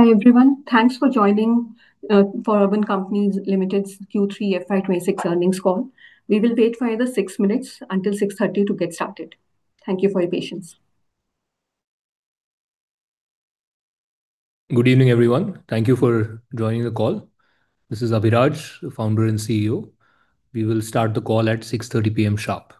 Hi everyone, thanks for joining. For Urban Company Limited's Q3 FY26 earnings call, we will wait for the six minutes until 6:30 to get started. Thank you for your patience. Good evening everyone. Thank you for joining the call. This is Abhiraj, Co-founder and CEO. We will start the call at 6:30 P.M. sharp.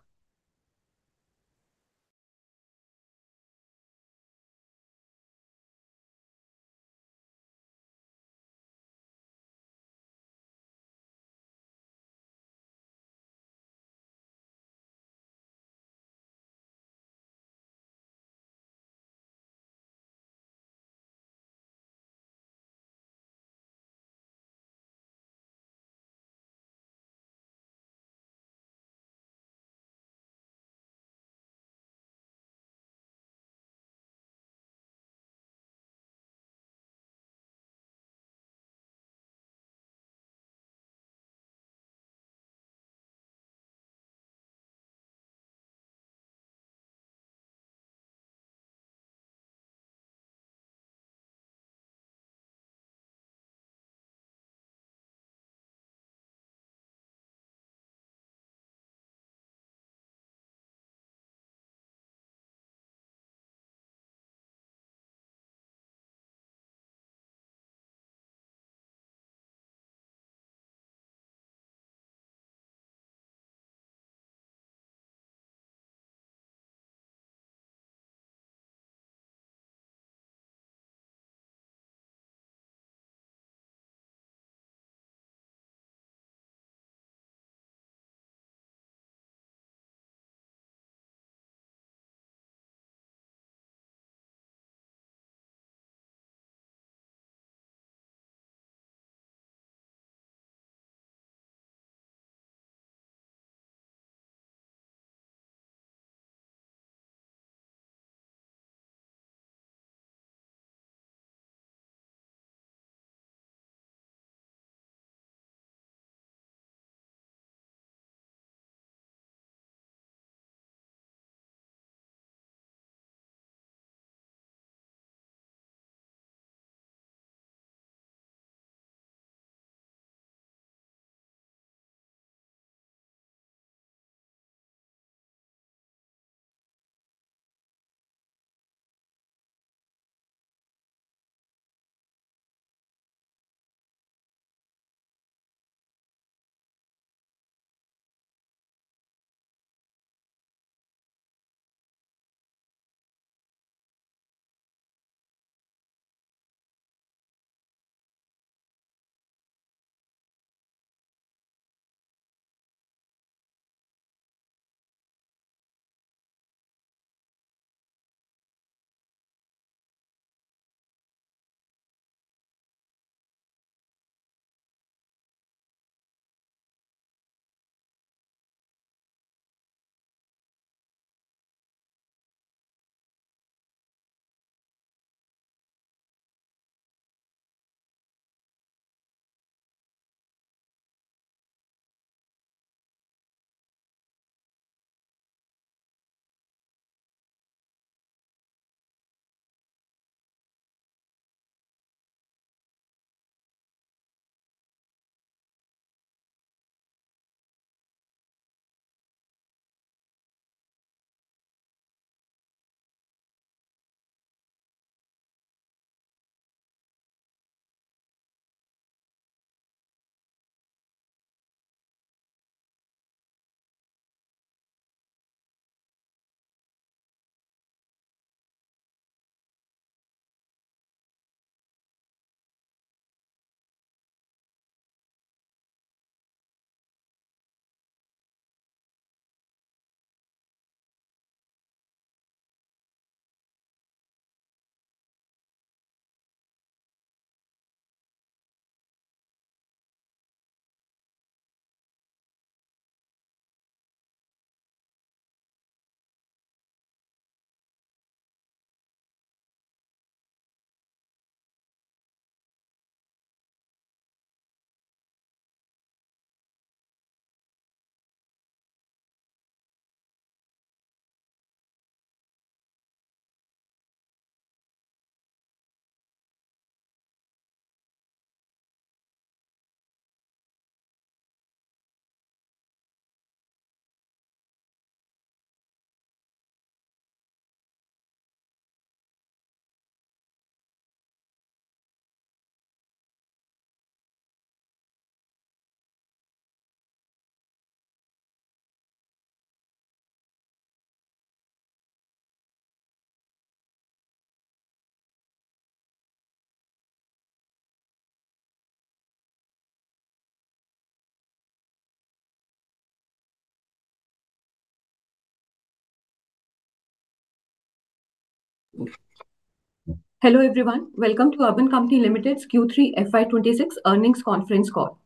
Hello everyone. Welcome to Urban Company Limited's Q3FY26 earnings conference call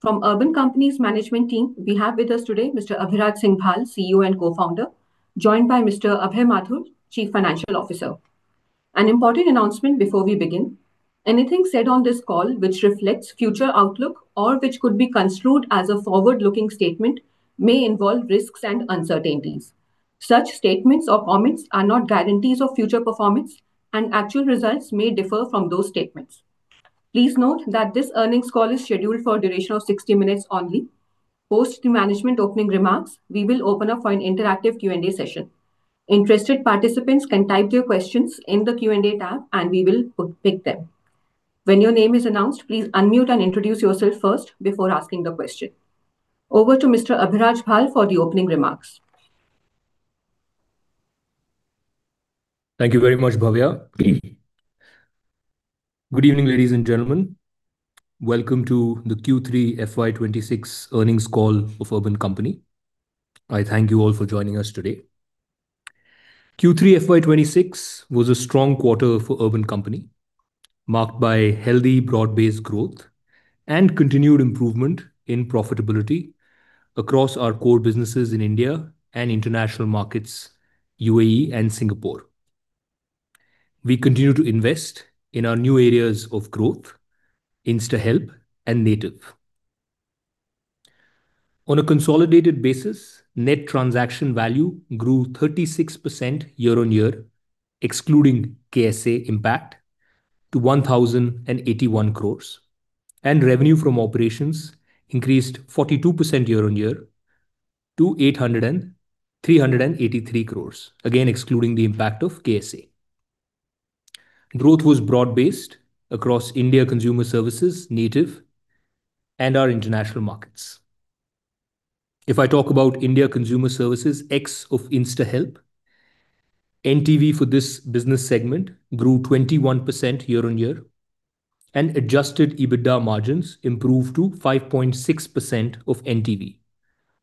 from Urban Company Management Team. We have with us today Mr. Abhiraj Singh Bhal, CEO and Co-Founder, joined by Mr. Abhay Mathur, Chief Financial Officer. An important announcement before we begin. Anything said on this call which reflects future outlook or which could be construed as a forward-looking statement may involve risks and uncertainties. Such statements or comments are not guarantees of future performance and actual results may differ from those statements. Please note that this earnings call is scheduled for a duration of 60 minutes only. Post the management opening remarks, we will open up for an interactive Q&A session. Interested participants can type their questions in the Q&A tab and we will pick them when your name is announced. Please unmute and introduce yourself first before asking the question. Over to Mr. Abhiraj Bhal for the opening remarks. Thank you very much, Bhavya. Good evening ladies and gentlemen. Welcome to the Q3 FY26 earnings call of Urban Company. I thank you all for joining us today. Q3 FY26 was a strong quarter for Urban Company marked by healthy broad-based growth and continued improvement in profitability across our core businesses in India and international markets UAE and Singapore. We continue to invest in our new areas of growth, InstaHelp and Native on a consolidated basis. Net transaction value grew 36% year-on-year excluding KSA impact to 1,081 crores and revenue from operations increased 42% year-on-year to 800.38 crores again excluding the impact of KSA. Growth was broad-based across India, Consumer Services, Native and our international markets. If I talk about India Consumer Services ex of InstaHelp, NTV for this business segment grew 21% year-on-year and adjusted EBITDA margins improved to 5.6% of NTV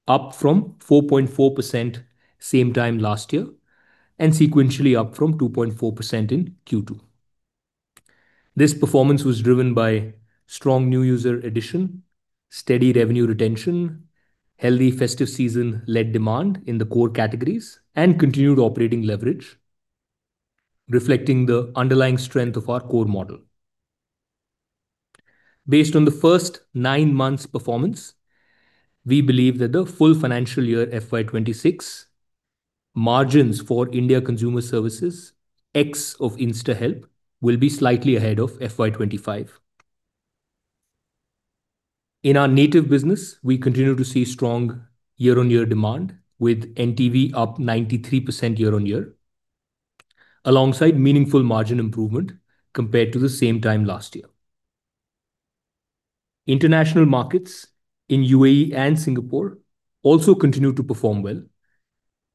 up from 4.4% same time last year and sequentially up from 2.4% in Q2. This performance was driven by strong new user addition, steady revenue retention, healthy festive season-led demand in the core categories and continued operating leverage reflecting the underlying strength of our core model. Based on the first nine months performance we believe that the full financial year FY26 margins for India Consumer Services ex of InstaHelp will be slightly ahead of FY25. In our Native business we continue to see strong year-on-year demand with NTV up 93% year-on-year alongside meaningful margin improvement compared to the same time last year. International markets in UAE and Singapore also continue to perform well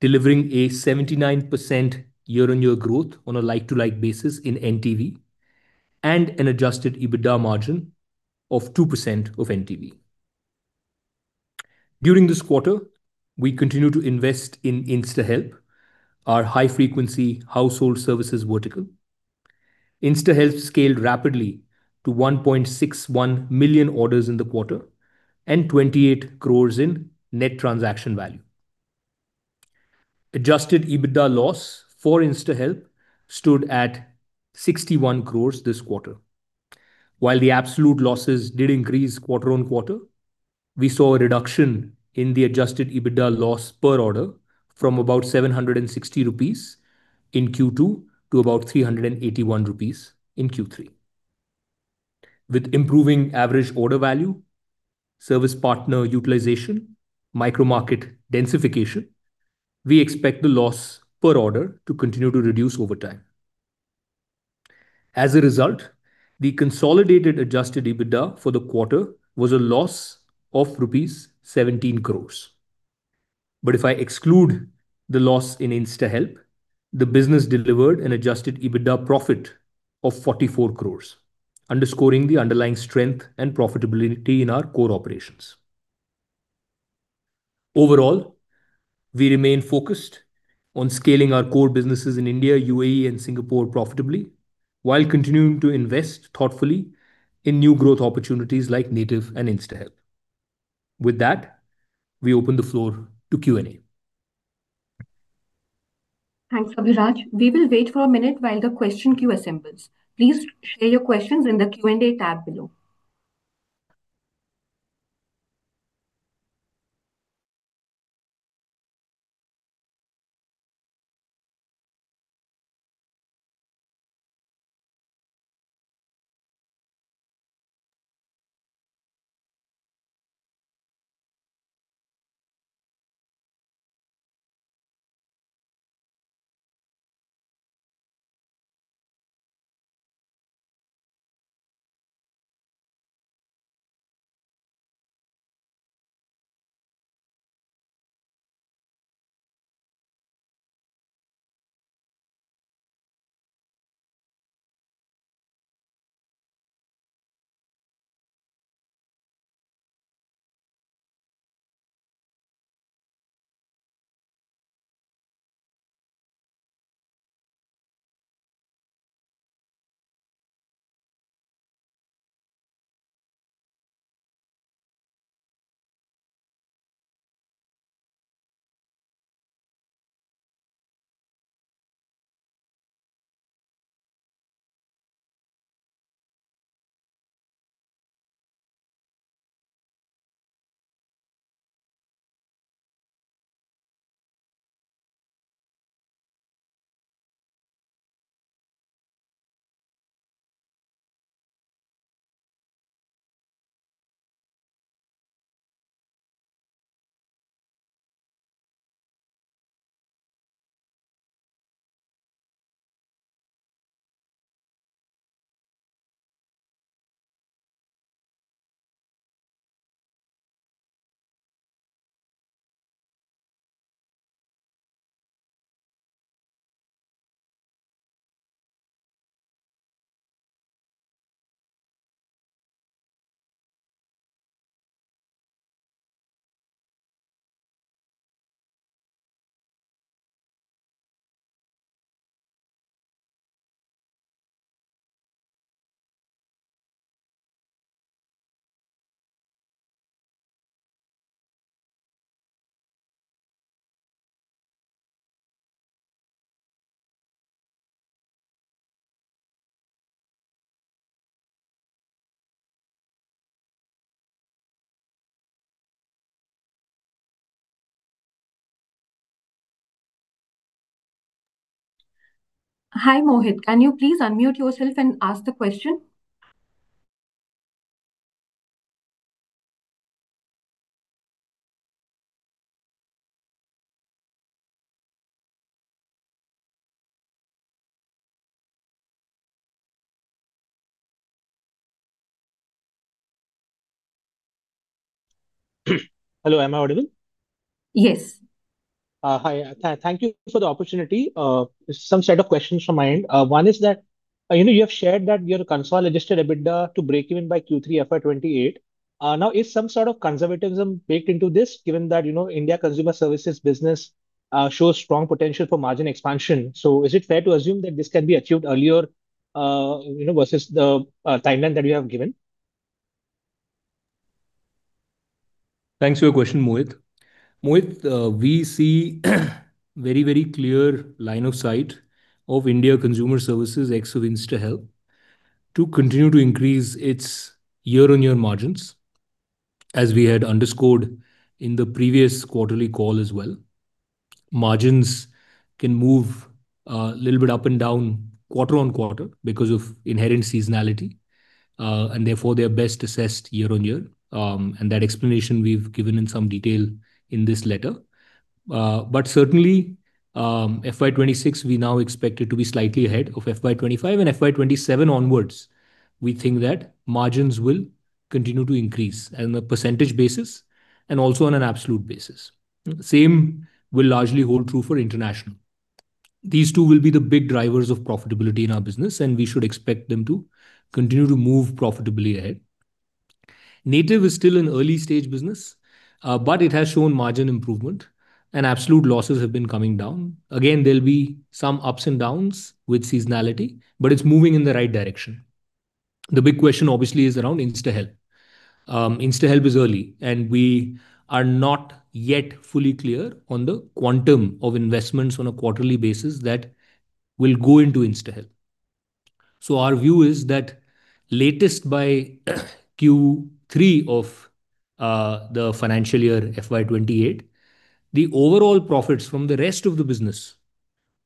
delivering a 79% year-on-year growth on a like-to-like basis in NTV and an Adjusted EBITDA margin of 2% of NTV. During this quarter we continue to invest in InstaHelp. Our high frequency household services vertical InstaHelp scaled rapidly to 1.61 million orders in the quarter and 28 crore in net transaction value. Adjusted EBITDA loss for InstaHelp stood at 61 crore this quarter. While the absolute losses did increase quarter-on-quarter, we saw a reduction in the Adjusted EBITDA loss per order from about 760 rupees in Q2 to about 381 rupees in Q3. With improving average order value, service partner utilization, micro market densification, we expect the loss per order to continue to reduce over time. As a result, the consolidated Adjusted EBITDA for the quarter was a loss of rupees 17 crore. But if I exclude the loss in InstaHelp, the business delivered an Adjusted EBITDA profit of 44 crore, underscoring the underlying strength and profitability in our core operations. Overall, we remain focused on scaling our core businesses in India, UAE and Singapore profitably while continuing to invest thoughtfully in new growth opportunities like Native and InstaHelp. With that we open the floor to Q&A. Thanks Abhiraj. We will wait for a minute while the question queue assembles. Please share your questions in the Q&A tab below. Hi Mohit, can you please unmute yourself and ask the question? Hello. Am I audible? Yes. Hi. Thank you for the opportunity. Some set of questions from mine. One is that you know you have shared that your consolidated adjusted EBITDA to break even by Q3 FY28. Now is some sort of conservatism baked into this given that you know India consumer services business shows strong potential for margin expansion so is it fair to assume that this can be achieved earlier you know versus the timeline that you have given? Thanks for your question, Mohit. Mohit, we see very very clear line of sight of India consumer services ex InstaHelp to continue to increase its year-on-year margins. As we had underscored in the previous quarterly call as well, margins can move a little bit up and down quarter-on-quarter because of inherent seasonality and therefore they are best assessed year-on-year. And that explanation we've given in some detail in this letter. But certainly FY26, we now expect it to be slightly ahead of FY25 and FY27 onwards. We think that margins will continue to increase on a percentage basis and also on an absolute basis. Same will largely hold true for International. These two will be the big drivers of profitability in our business and we should expect them to continue to move profitably ahead. Native is still an early stage business, but it has shown margin improvement and absolute losses have been coming down again. There'll be some ups and downs with seasonality, but it's moving in the right direction. The big question obviously is around InstaHelp. InstaHelp is early and we are not yet fully clear on the quantum of investments on a quarterly basis that will go into InstaHelp. So our view is that latest by Q3 of the financial year, FY28, the overall profits from the rest of the business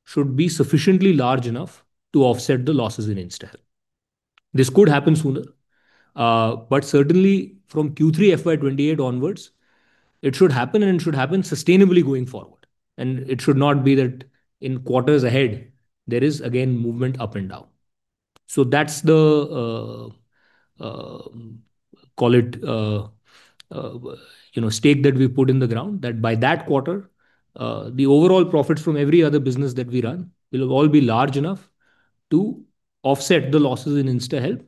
should be sufficiently large enough to offset the losses in InstaHelp. This could happen sooner, but certainly from Q3, FY28 onwards it should happen and should happen sustainably going forward. It should not be that in quarters ahead there is again movement up and down. So that's the call it, you know, stake that we put in the ground that by that quarter the overall profits from every other business that we run will all be large enough to offset the losses in InstaHelp,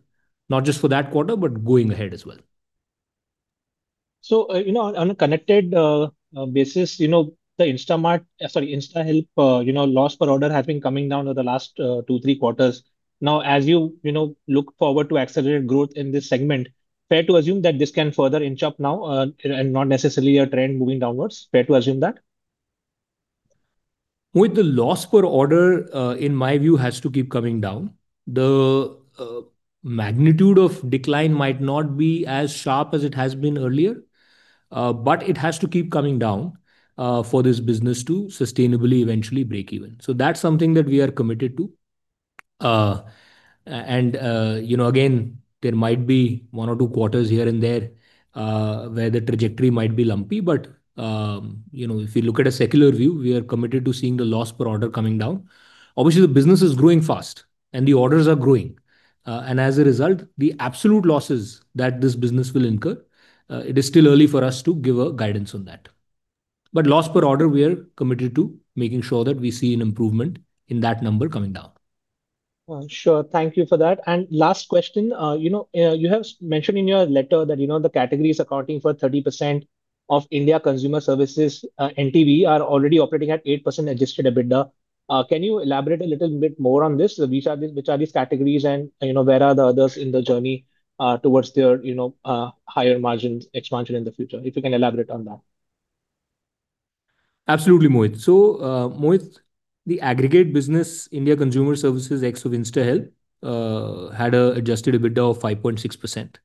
not just for that quarter, but going ahead as well. So, you know, on a connected basis, you know, the Instamart, sorry, InstaHelp, you know, loss per order has been coming down over the last 2-3 quarters now as you, you know, look forward to accelerated growth in this segment. Fair to assume that this can further inch up now and not necessarily a trend moving downwards. Fair to assume that? with the loss per order, in my view has to keep coming down, the magnitude of decline might not be as sharp as it has been earlier, but it has to keep coming down for this business to sustainably eventually break even. So that's something that we are committed to. And you know, again, there might be 1 or 2 quarters here and there where the trajectory might be lumpy. But you know, if we look at a secular view, we are committed to seeing the loss per order coming down. Obviously the business is growing fast and the orders are growing and as a result the absolute losses that this business will incur it is still early for us to give a guidance on that. But loss per order, we are committed to making sure that we see an improvement in that number coming down. Sure, thank you for that. And last question. You know, you have mentioned in your letter that, you know, the categories accounting for 30% of India consumer services NTV are already operating at 8% Adjusted EBITDA. Can you elaborate a little bit more on this? Which are these categories and you know, where are the others in the journey towards their, you know, higher margin expansion in the future? If you can elaborate on that. Absolutely, Mohit. So the aggregate business, India Consumer Services ex InstaHelp, had an Adjusted EBITDA of 5.6%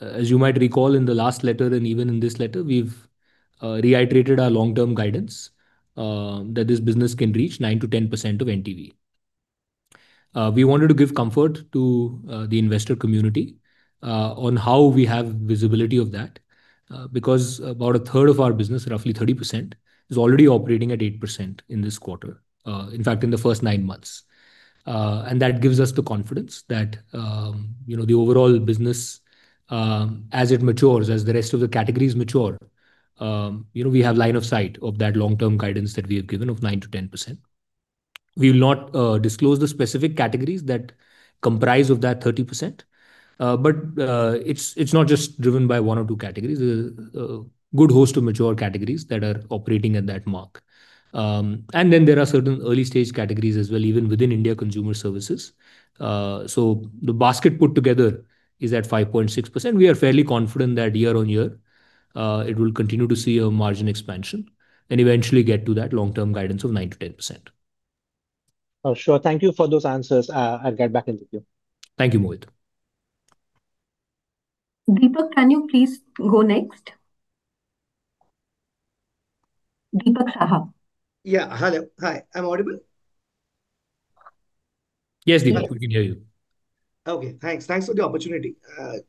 as you might recall in the last letter. And even in this letter we've reiterated our long-term guidance that this business can reach 9%-10% of NTV. We wanted to give comfort to the investor community on how we have visibility of that because about a third of our business, roughly 30%, is already operating at 8% in this quarter, in fact in the first nine months. And that gives us the confidence that the overall business as it matures, as the rest of the categories mature, you know, we have line of sight of that long-term guidance that we have given of 9%-10%. We will not disclose the specific categories that comprise that 30%. But it's, it's not just driven by one or two categories. Quite a host of mature categories that are operating at that mark. And then there are certain early stage categories as well, even within India Consumer Services. So the basket put together is at 5.6%. We are fairly confident that year on year it will continue to see a margin expansion and eventually get to that long term guidance of 9%-10%. Oh sure. Thank you for those answers. I'll get back in to you. Thank you, Mohit. Deepak, can you please go next? Dipak Saha. Yeah. Hello. Hi, I'm audible. Yes, we can hear you. Okay, thanks. Thanks for the opportunity.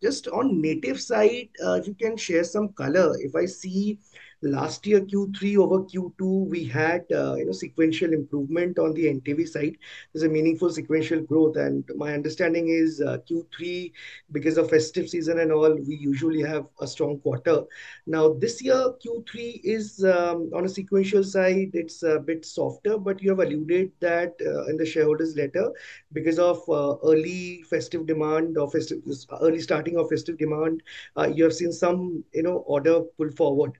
Just on Native side, if you can share some color, if I see last year Q3 over Q2 we had, you know, sequential improvement. On the NTV side there's a meaningful sequential growth. My understanding is Q3 because of festive season and all, we usually have a strong quarter. Now this year Q3 is on a sequential side, it's a bit softer. But you have alluded that in the shareholders letter because of early festive demand or early starting of festive demand, you have seen some order pull forward.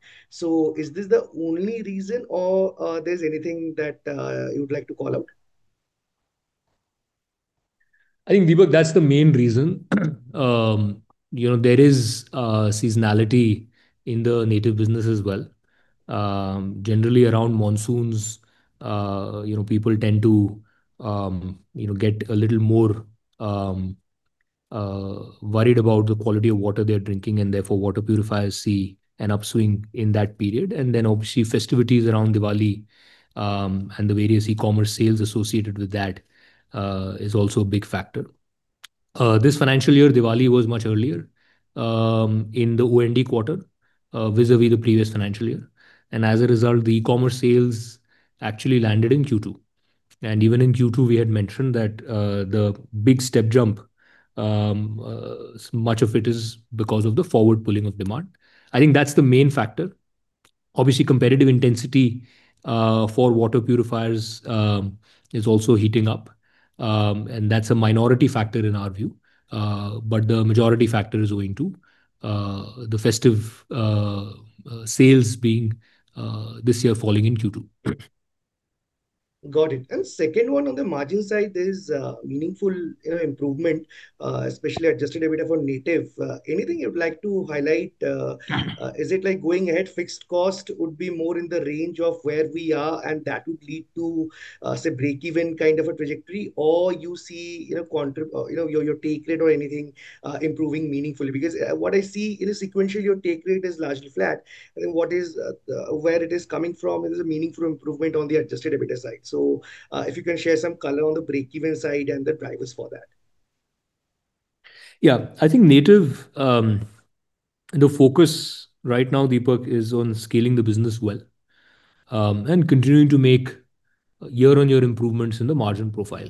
So is this the only reason or there's anything that you'd like to call out. I think Deepak, that's the main reason there is seasonality in the Native business as well. Generally around monsoons, you know, people tend to, you know, get a little more worried about the quality of water they're drinking and therefore water purifiers see an upswing in that period. And then obviously festivities around Diwali and the various e-commerce sales associated with that is also a big factor this financial year. Diwali was much earlier in the OND quarter vis-à-vis the previous financial year, and as a result, the e-commerce sales actually landed in Q2. And even in Q2, we had mentioned that the big step jump, much of it is because of the forward pulling of demand. I think that's the main factor. Obviously, competitive intensity for water purifiers is also heating up, and that's a minority factor in our view. But the majority factor is owing to the festive sales being this year falling in Q2. Got it. And second one, on the margin side, there's meaningful improvement, especially Adjusted EBITDA for Native. Anything you'd like to highlight? Is it like going ahead? Fixed cost would be more in the range of where we are and that would lead to say breakeven kind of a trajectory or you see your take rate or anything improving meaningfully because what I see in a sequential your take rate is largely flat. I think what is where it is coming from is a meaningful improvement on the Adjusted EBITDA side. So if you can share some color on the breakeven side and the drivers for that. Yeah, I think Native the focus right now, Deepak, is on scaling the business well and continuing to make year-on-year improvements in the margin profile.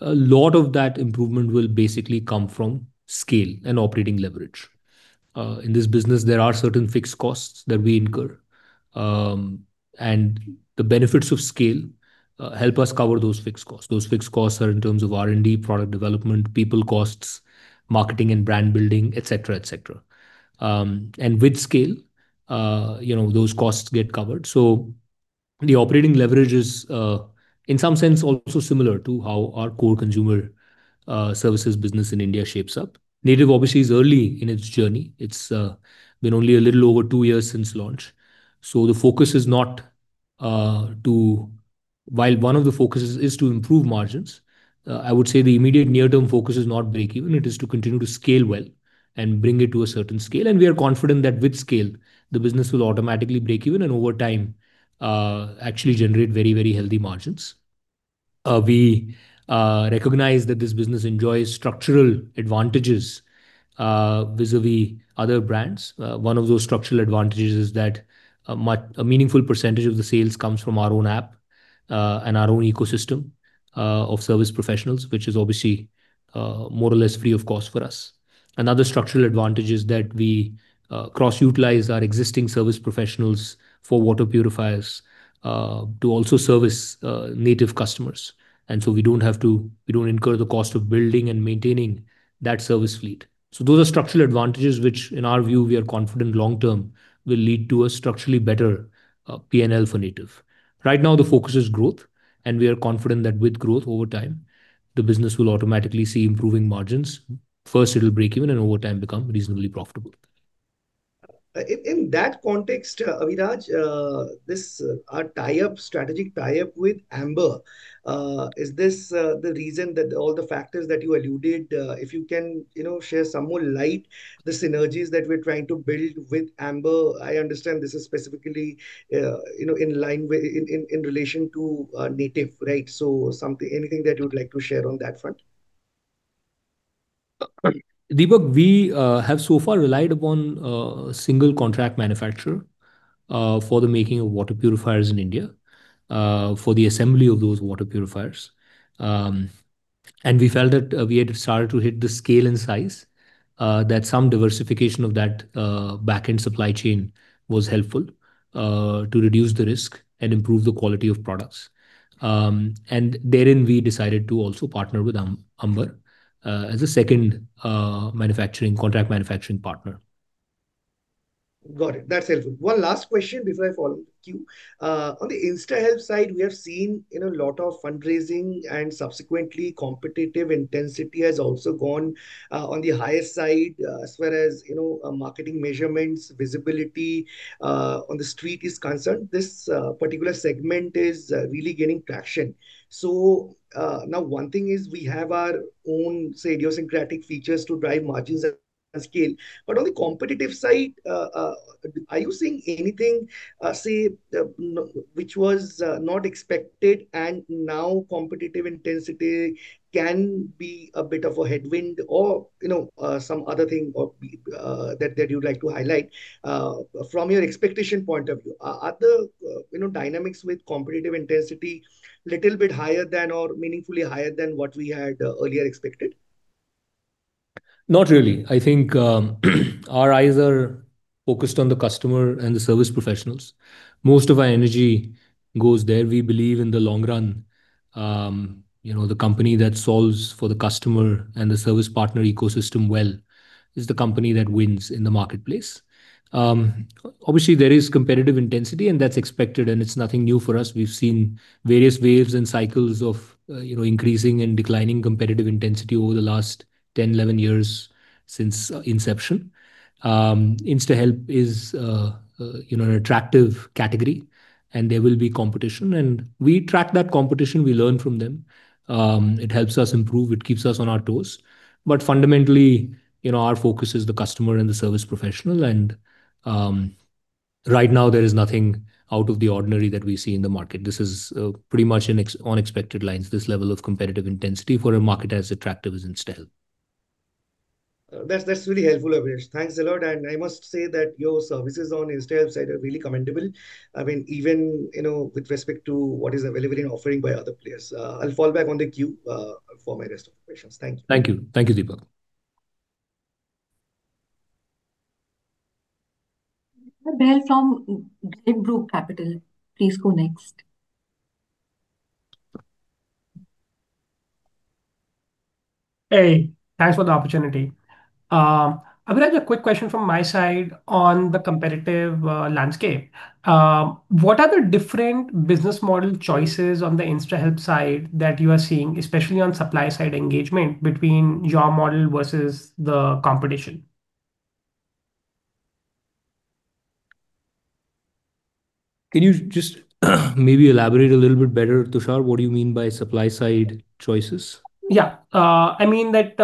A lot of that improvement will basically come from scale and operating leverage. In this business there are certain fixed costs that we incur and the benefits of scale help us cover those fixed costs. Those fixed costs are in terms of R&D, product development people costs, marketing and brand building, etc., etc. And with scale, you know, those costs get covered. So the operating leverage is in some sense also similar to how our core consumer services business in India shapes up. Native obviously is early in its journey. It's been only a little over two years since launch. So the focus is not to. While one of the focuses is to improve margins, I would say the immediate near-term focus is not breakeven. It is to continue to scale well and bring it to a certain scale. And we are confident that with scale the business will automatically break even and over time actually generate very, very healthy margins. We recognize that this business enjoys structural advantages vis-à-vis other brands. One of those structural advantages is that a meaningful percentage of the sales comes from our own app and our own ecosystem of service professionals, which is obviously more or less free of cost for us. Another structural advantage is that we cross utilize our existing service professionals for water purifiers to also service Native customers. And so we don't have to, we don't incur the cost of building and maintaining that service fleet. So those are structural advantages which in our view we are confident long term will lead to a structurally better PNL for Native. Right now the focus is growth and we are confident that with growth over time the business will automatically see improving margins. First it will break even and over time become reasonably profitable. In that context. Abhiraj, this tie up, strategic tie up with Amber, is this the reason that all the factors that you alluded, if you can, you know, share some more light the synergies that we're trying to build with Amber. I understand this is specifically, you know, in line with, in relation to Native. Right. So something, anything that you'd like to share on that front? Deepak, we have so far relied upon a single contract manufacturer for the making of water purifiers in India for the assembly of those water purifiers. And we felt that we had started to hit the scale and size, that some diversification of that backend supply chain was helpful to reduce the risk and improve the quality of products. And therein we decided to also partner with Amber as a second manufacturing contract. Manufacturing partner. Got it. That's helpful. One last question before I follow the queue. On the InstaHelp side, we have seen a lot of fundraising and subsequently competitive intensity has also gone on the highest side as far as marketing measurements, visibility on the street is concerned. This particular segment is really gaining traction. Now one thing is we have our own idiosyncratic features to drive margins and scale. But on the competitive side, are you seeing anything which was not expected and now competitive intensity can be a bit of a headwind or you know, some other thing or that that you'd like to highlight from your expectation point of view are the, you know, dynamics with competitive intensity little bit higher than or meaningfully higher than what we had are expected? Not really. I think our eyes are focused on the customer and the service professionals. Most of our energy goes there. We believe in the long run, you know, the company that solves for the customer and the service partner ecosystem well is the company that wins in the marketplace. Obviously there is competitive intensity and that's expected and it's nothing new for us. We've seen various waves and cycles of increasing and declining competitive intensity over the last 10, 11 years since inception. InstaHelp is an attractive category and there will be competition and we track that competition. We learn from them, it helps us improve, it keeps us on our toes. But fundamentally our focus is the customer and the service professional. And right now there is nothing out of the ordinary that we see in the market. This is pretty much along expected lines, this level of competitive intensity for a market as attractive as InstaHelp. That's really helpful. Thanks a lot. I must say that your services on InstaHelp side are really commendable. I mean even, you know, with respect to what is available in offering by other players. I'll fall back on the queue for my rest of the questions. Thank you. Thank you, thank you, Deepak. [inaudible] from Capital, please go next. Hey, thanks for the opportunity. Abhiraj, a quick question from my side on the competitive landscape. What are the different business model choices on the InstaHelp side that you are seeing especially on supply side engagement between your model versus the competition? Can you just maybe elaborate a little bit better? Tushar, what do you mean by supply side choices? Yeah, I mean that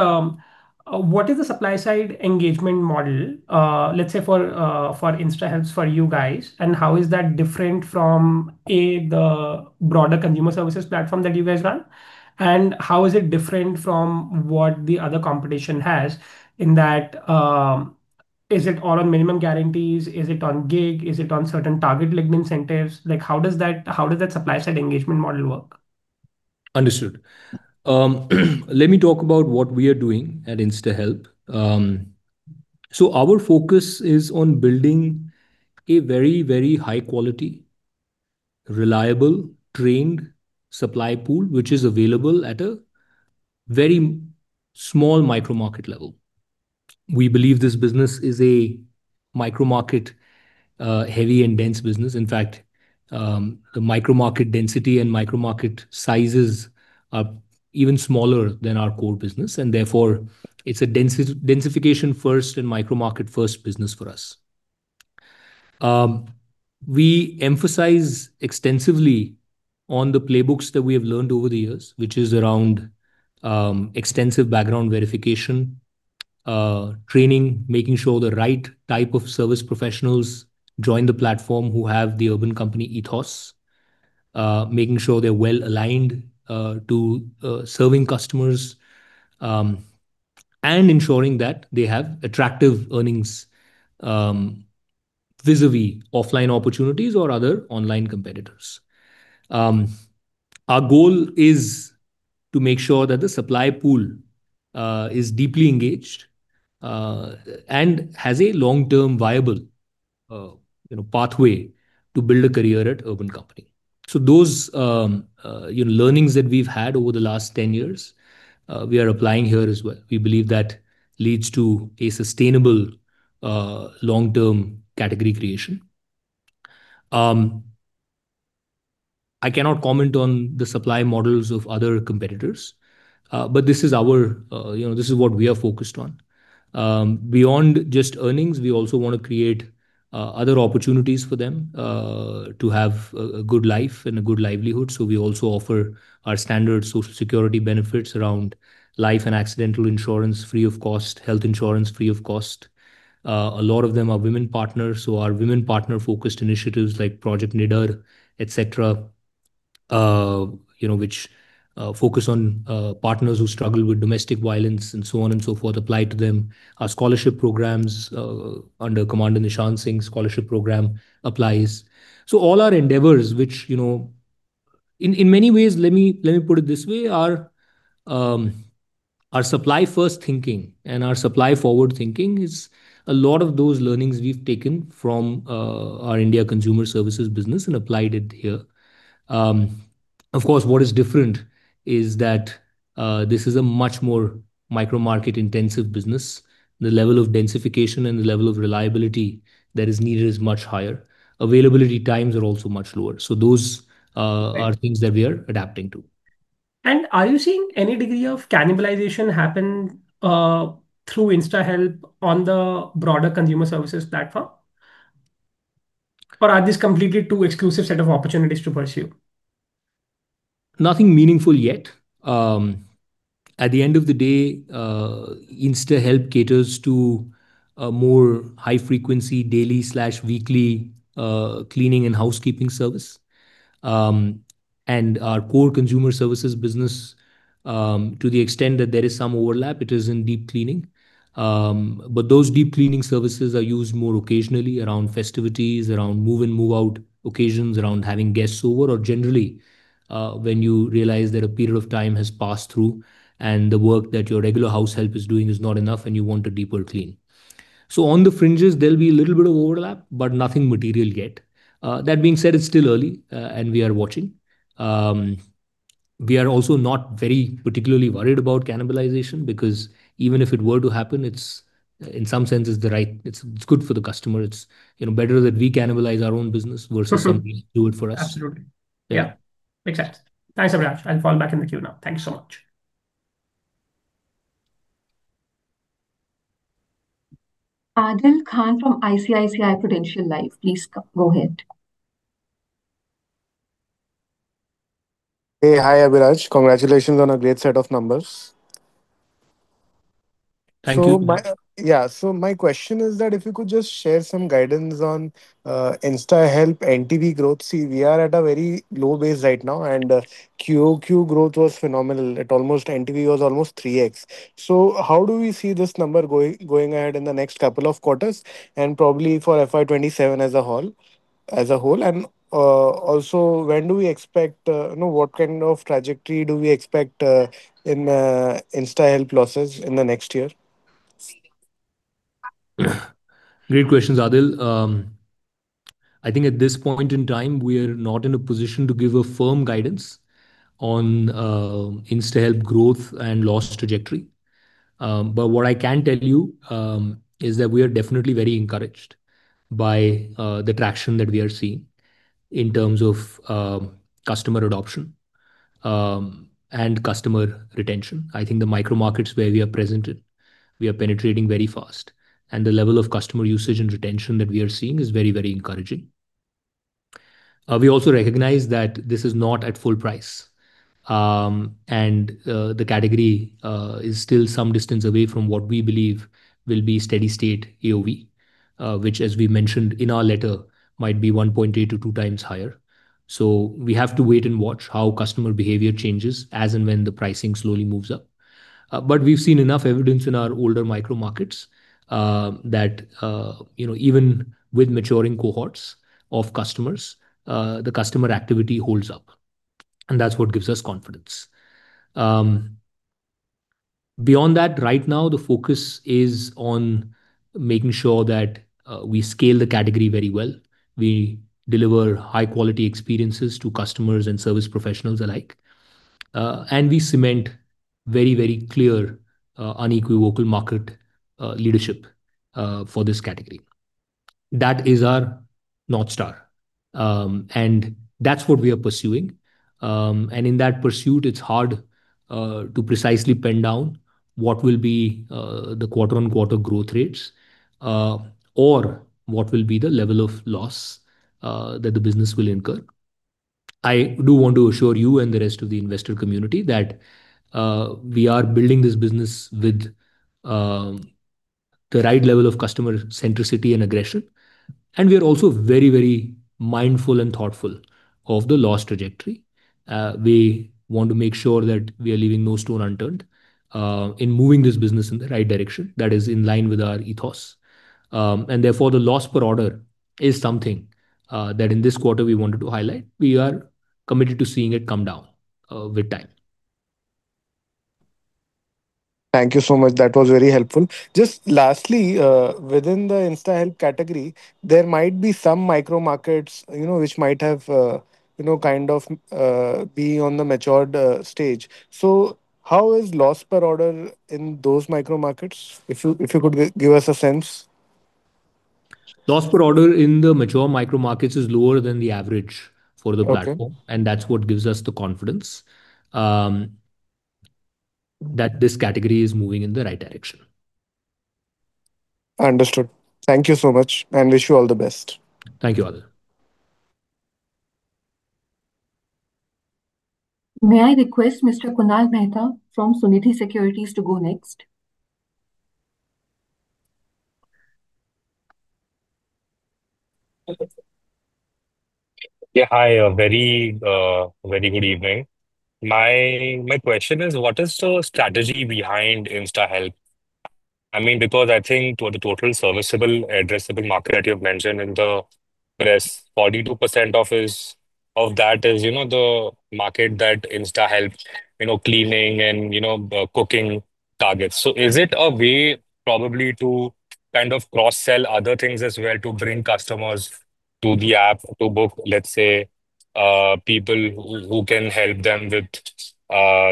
what is the supply side engagement model, let's say for, for InstaHelp for you guys and how is that different from the broader consumer services platform that you guys run? How is it different from what the other competition has in that? Is it all on minimum guarantees? Is it on gig, is it on certain target linked incentives? Like how does that, how does that supply side engagement model work? Understood. Let me talk about what we are doing at InstaHelp. So our focus is on building a very very high quality, reliable, trained supply pool which is available at a very small micro market level. We believe this business is a micro market heavy and dense business. In fact the micro market density and micro market sizes are even smaller than our core business and therefore it's a densification first and micro market first business for us. We emphasize extensively on the playbooks that we have learned over the years which is around extensive background verification, training, making sure the right type of service professionals join the platform who have the Urban Company ethos, making sure they're well aligned to serving customers and ensuring that they have attractive earnings vis-à-vis offline opportunities or other online competitors. Our goal is to make sure that the supply pool is deeply engaged and has a long-term viable pathway to build a career at Urban Company. So those learnings that we've had over the last 10 years, we are applying here as well. We believe that leads to a sustainable long-term category creation. I cannot comment on the supply models of other competitors. But this is our, you know, this is what we are focused on beyond just earnings. We also want to create other opportunities for them to have a good life and a good livelihood. So we also offer our standard social security benefits around life and accidental insurance free of cost, health insurance free of cost. A lot of them are women partners. So our women partner focused initiatives like Project Nidar etc., you know, which focus on partners who struggle with domestic violence and so on and so forth apply to them. Our scholarship programs under Commander Nishant Singh Scholarship Program applies. So all our endeavors which you know, in many ways, let me put it this way, our supply first thinking and our supply forward thinking is a lot of those learnings we've taken from our India consumer services business and applied it here. Of course, what is different is that this is a much more micro market intensive business. The level of densification and the level of reliability that is needed is much higher. Availability times are also much lower. So those are things that we are adapting to. And are you seeing any degree of cannibalization happen through InstaHelp on the broader consumer services platform or are these completely too exclusive set of opportunities to pursue? Nothing meaningful yet. At the end of the day, InstaHelp caters to more high frequency daily weekly cleaning and housekeeping service. And our core consumer services business, to the extent that there is some overlap, it is in deep cleaning. But those deep cleaning services are used more occasionally around festivities, around move and move out occasions, around having guests over or generally when you realize that a period of time has passed through and the work that your regular house help is doing is not enough and you want a deeper clean. So on the fringes there'll be a little bit of overlap but nothing material yet. That being said, it's still early and we are watching. We are also not very particularly worried about cannibalization because even if it were to happen, it's in some sense it's the right, it's good for the customer. It's, you know, better that we cannibalize our own business versus somebody do it for us. Absolutely. Yeah. Makes sense. Thanks, Abhiraj. I'll fall back in the queue now. Thanks so much. Adil Khan from ICICI Prudential Life. Please go ahead. Hey. Hi, Abhiraj. Congratulations on a great set of numbers. Thank you. Yeah. So my question is that if you could just share some guidance on InstaHelp NTV growth. See, we are at a very low base right now and QQ growth was phenomenal at almost NTV was almost 3x. So how do we see this number going, going ahead in the next couple of quarters and probably for FY27 as a whole. As a whole. And also when do we expect, what kind of trajectory do we expect in InstaHelp losses in the next year? Great questions, Adil. I think at this point in time we are not in a position to give a firm guidance on InstaHelp growth and loss trajectory. But what I can tell you is that we are definitely very encouraged by the traction that we are seeing in terms of customer adoption and customer retention. I think the micro markets where we are present in we are penetrating very fast and the level of customer usage and retention that we are seeing is very, very encouraging. We also recognize that this is not at full price and the category is still some distance away from what we believe will be steady state AOV, which as we mentioned in our letter, might be 1.8-2 times higher. So we have to wait and watch how customer behavior changes as and when the pricing slowly moves up. But we've seen enough evidence in our older micro markets that even with maturing cohorts of customers, the customer activity holds up and that's what gives us confidence. Beyond that, right now, the focus is on making sure that we scale the category very well. We deliver high quality experiences to customers and service professionals alike and we cement very, very clear, unequivocal market leadership for this category. That is our North Star and that's what we are pursuing. In that pursuit, it's hard to precisely pin down what will be the quarter-on-quarter growth rates or what will be the level of loss that the business will incur. I do want to assure you and the rest of the investor community that we are building this business with the right level of customer centricity and aggression. We are also very, very mindful and thoughtful of the loss trajectory. We want to make sure that we are leaving no stone unturned in moving this business in the right direction that is in line with our ethos and therefore the loss per order is something that in this quarter we wanted to highlight. We are committed to seeing it come down with time. Thank you so much. That was very helpful. Just lastly, within the InstaHelp category there might be some micro markets which might have, you know, kind of being on the matured stage. So how is loss per order in those micro markets? If you, if you could give us a sense, Loss per order in the mature micro markets is lower than the average for the platform. And that's what gives us the confidence that this category is moving in the right direction. Understood. Thank you so much and wish you all the best. Thank you. Other. May I request Mr. Kunal Mehta from Sunidhi Securities to go next? Yeah. Hi. A very, very good evening. My, my question is what is the strategy behind InstaHelp? I mean, because I think the total serviceable, addressable market that you've mentioned in the press, 42% of that is, you know, the market that InstaHelp, you know, cleaning and, you know, cooking targets. So is it a way probably to kind of cross sell other things as well, to bring customers to the app to book, let's say people who can help them with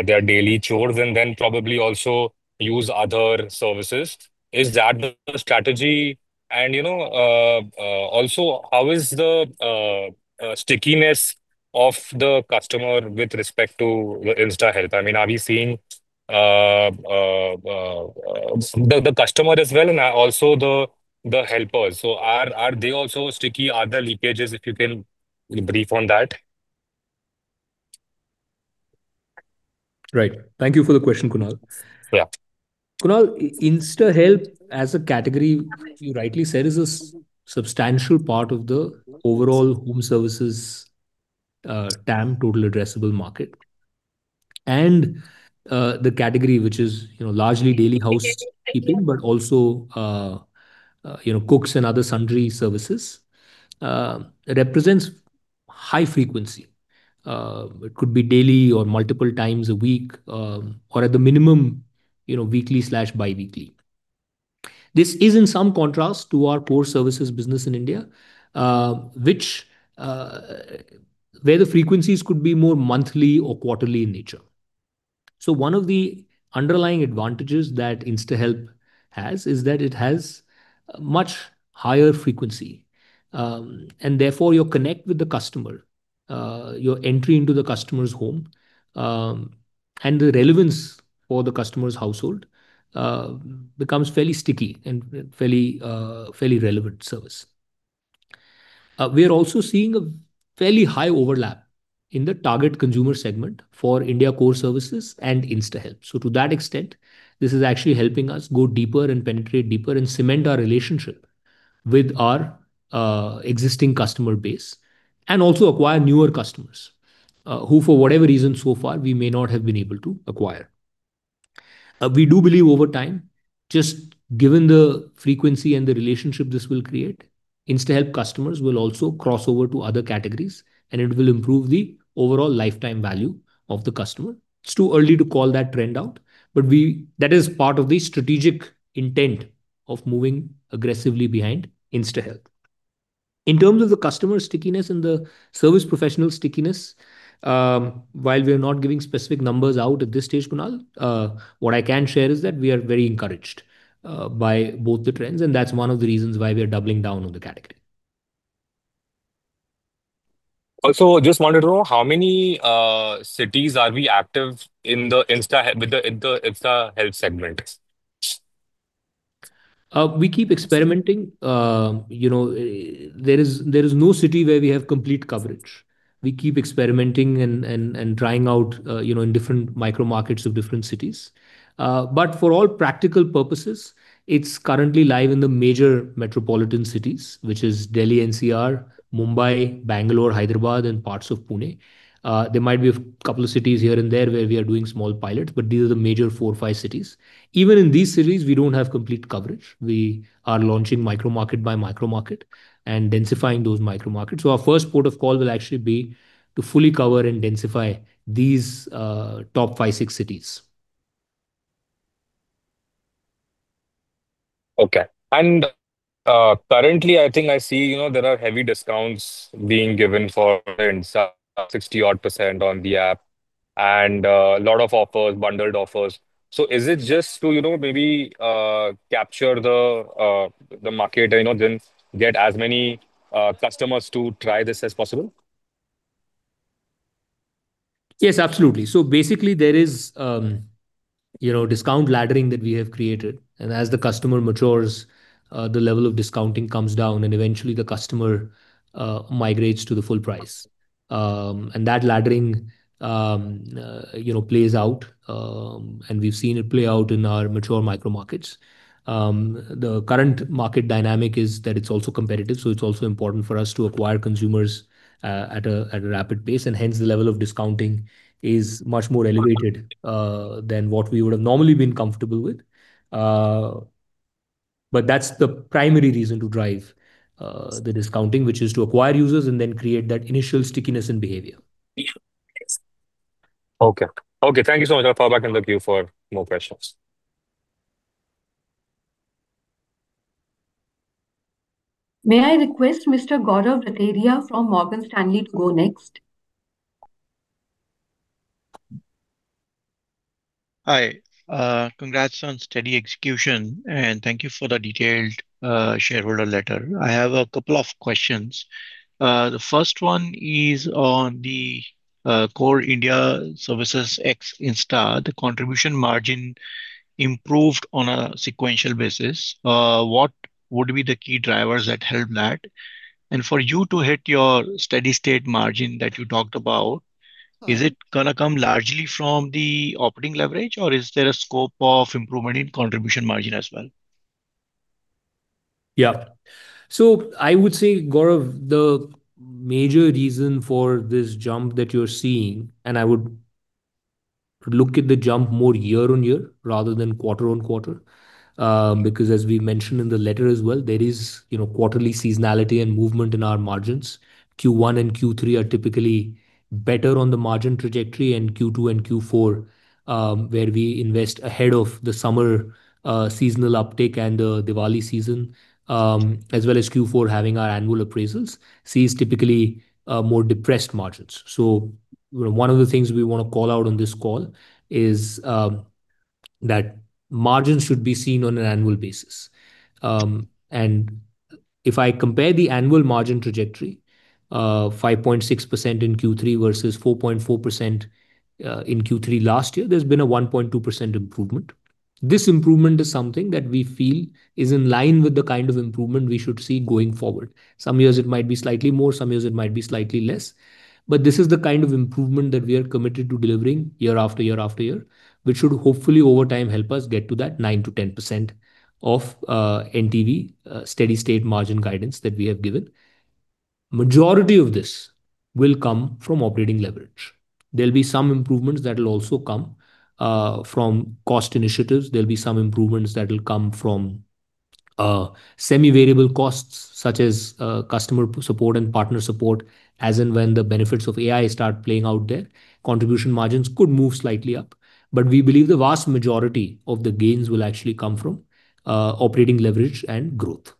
their daily chores and then probably also use other services? Is that the strategy? And you know, also how is the stickiness of the customer with respect to InstaHelp? I mean, are we seeing the customer as well and also the helpers? So are they also sticky? Are the leakages, if you can brief on that. Right. Thank you for the question, Kunal. Yeah, Kunal, InstaHelp as a category, you rightly said, is a substantial part of the overall home services TAM total addressable market. And the category which is, you know, largely daily housekeeping but also, you know, cooks and other sundry services represents high frequency. It could be daily or multiple times a week or at the minimum, you know, weekly, bi-weekly. This is in some contrast to our core services business in India which where the frequencies could be more monthly or quarterly in nature. So one of the underlying advantages that InstaHelp has is that it has much higher frequency and therefore your connect with the customer, your entry into the customer's home and the relevance for the customer's household becomes fairly sticky and fairly relevant service. We are also seeing a fairly high overlap in the target consumer segment for India Core Services and InstaHelp. So to that extent this is actually helping us go deeper and penetrate deeper and cement our relationship with our existing customer base and also acquire newer customers who for whatever reason so far we may not have been able to acquire. We do believe over time, just given the frequency and the relationship this will create, InstaHelp customers will also cross over to other categories and it will improve the overall lifetime value of the customer. It's too early to call that trend out. But we, that is part of the strategic intent of moving aggressively behind InstaHelp in terms of the customer stickiness and the service professional stickiness. While we are not giving specific numbers out at this stage, Kunal, what I can share is that we are very encouraged by both the trends and that's one of the reasons why we are doubling down on the category. Also, just wanted to know how many cities are we active in the InstaHelp? With the InstaHelp segment, we keep experimenting. You know, there is no city where we have complete coverage. We keep experimenting and trying out, you know, in different micro-markets of different cities. But for all practical purposes, it's currently live in the major metropolitan cities which is Delhi, NCR, Mumbai, Bangalore, Hyderabad and parts of Pune. There might be a couple of cities here and there where we are doing small pilots, but these are the major 4 or 5 cities. Even in these cities we don't have complete coverage. We are launching micro market by micro market and densifying those micro markets. So our first port of call will actually be to fully cover and densify these top 5, 6 cities. Okay. And currently I think I see, you know, there are heavy discounts being given for 60-odd% on the app and a lot of offers, bundled offers. So is it just to, you know, maybe capture the the market, you know, then get as many customers to try this as possible? Yes, absolutely. So basically there is, you know, discount laddering that we have created and as the customer matures, the level of discounting comes down and eventually the customer migrates to the full price and that laddering, you know, plays out. And we've seen it play out in our mature micro markets. The current market dynamic is that it's also competitive. It's also important for us to acquire consumers at a rapid pace. Hence the level of discounting is much more elevated than what we would have normally been comfortable with. But that's the primary reason to drive the discounting, which is to acquire users and then create that initial stickiness in behavior. Okay. Okay, thank you so much. I'll fall back in the queue for more questions. May I request Mr. Gaurav Rateria from Morgan Stanley to go next? Hi. Congrats on steady execution and thank you for the detailed shareholder letter. I have a couple of questions. The first one is on the core India Services ex Insta, the contribution margin improved on a sequential basis. What would be the key drivers that helped that? For you to hit your steady state margin that you talked about, is it going to come largely from the operating leverage or is there a scope of improvement in contribution margin as well? Yeah. So I would say, Gaurav, the major reason for this jump that you're seeing, and I would look at the jump more year-on-year rather than quarter-on-quarter because as we mentioned in the letter as well, there is, you know, quarterly seasonality and movement in our margins. Q1 and Q3 are typically better on the margin trajectory. And Q2 and Q4, where we invest ahead of the summer seasonal uptick and the Diwali season, as well as Q4 having our annual appraisals, sees typically more depressed margins. So one of the things we want to call out on this call is that margins should be seen on an annual basis. If I compare the annual margin trajectory, 5.6% in Q3 versus 4.4% in Q3 last year, there's been a 1.2% improvement. This improvement is something that we feel is in line with the kind of improvement we should see going forward. Some years it might be slightly more, some years it might be slightly less. But this is the kind of improvement that we are committed to delivering year after year after year, which should hopefully over time help us get to that 9%-10% of NTV steady state margin guidance that we have given. Majority of this will come from operating leverage. There'll be some improvements that will also come from cost initiatives. There'll be some improvements that will come from semi variable costs such as customer support and partner support. As and when the benefits of AI start playing out there, contribution margins could move slightly up. But we believe the vast majority of the gains will actually come from operating leverage and growth.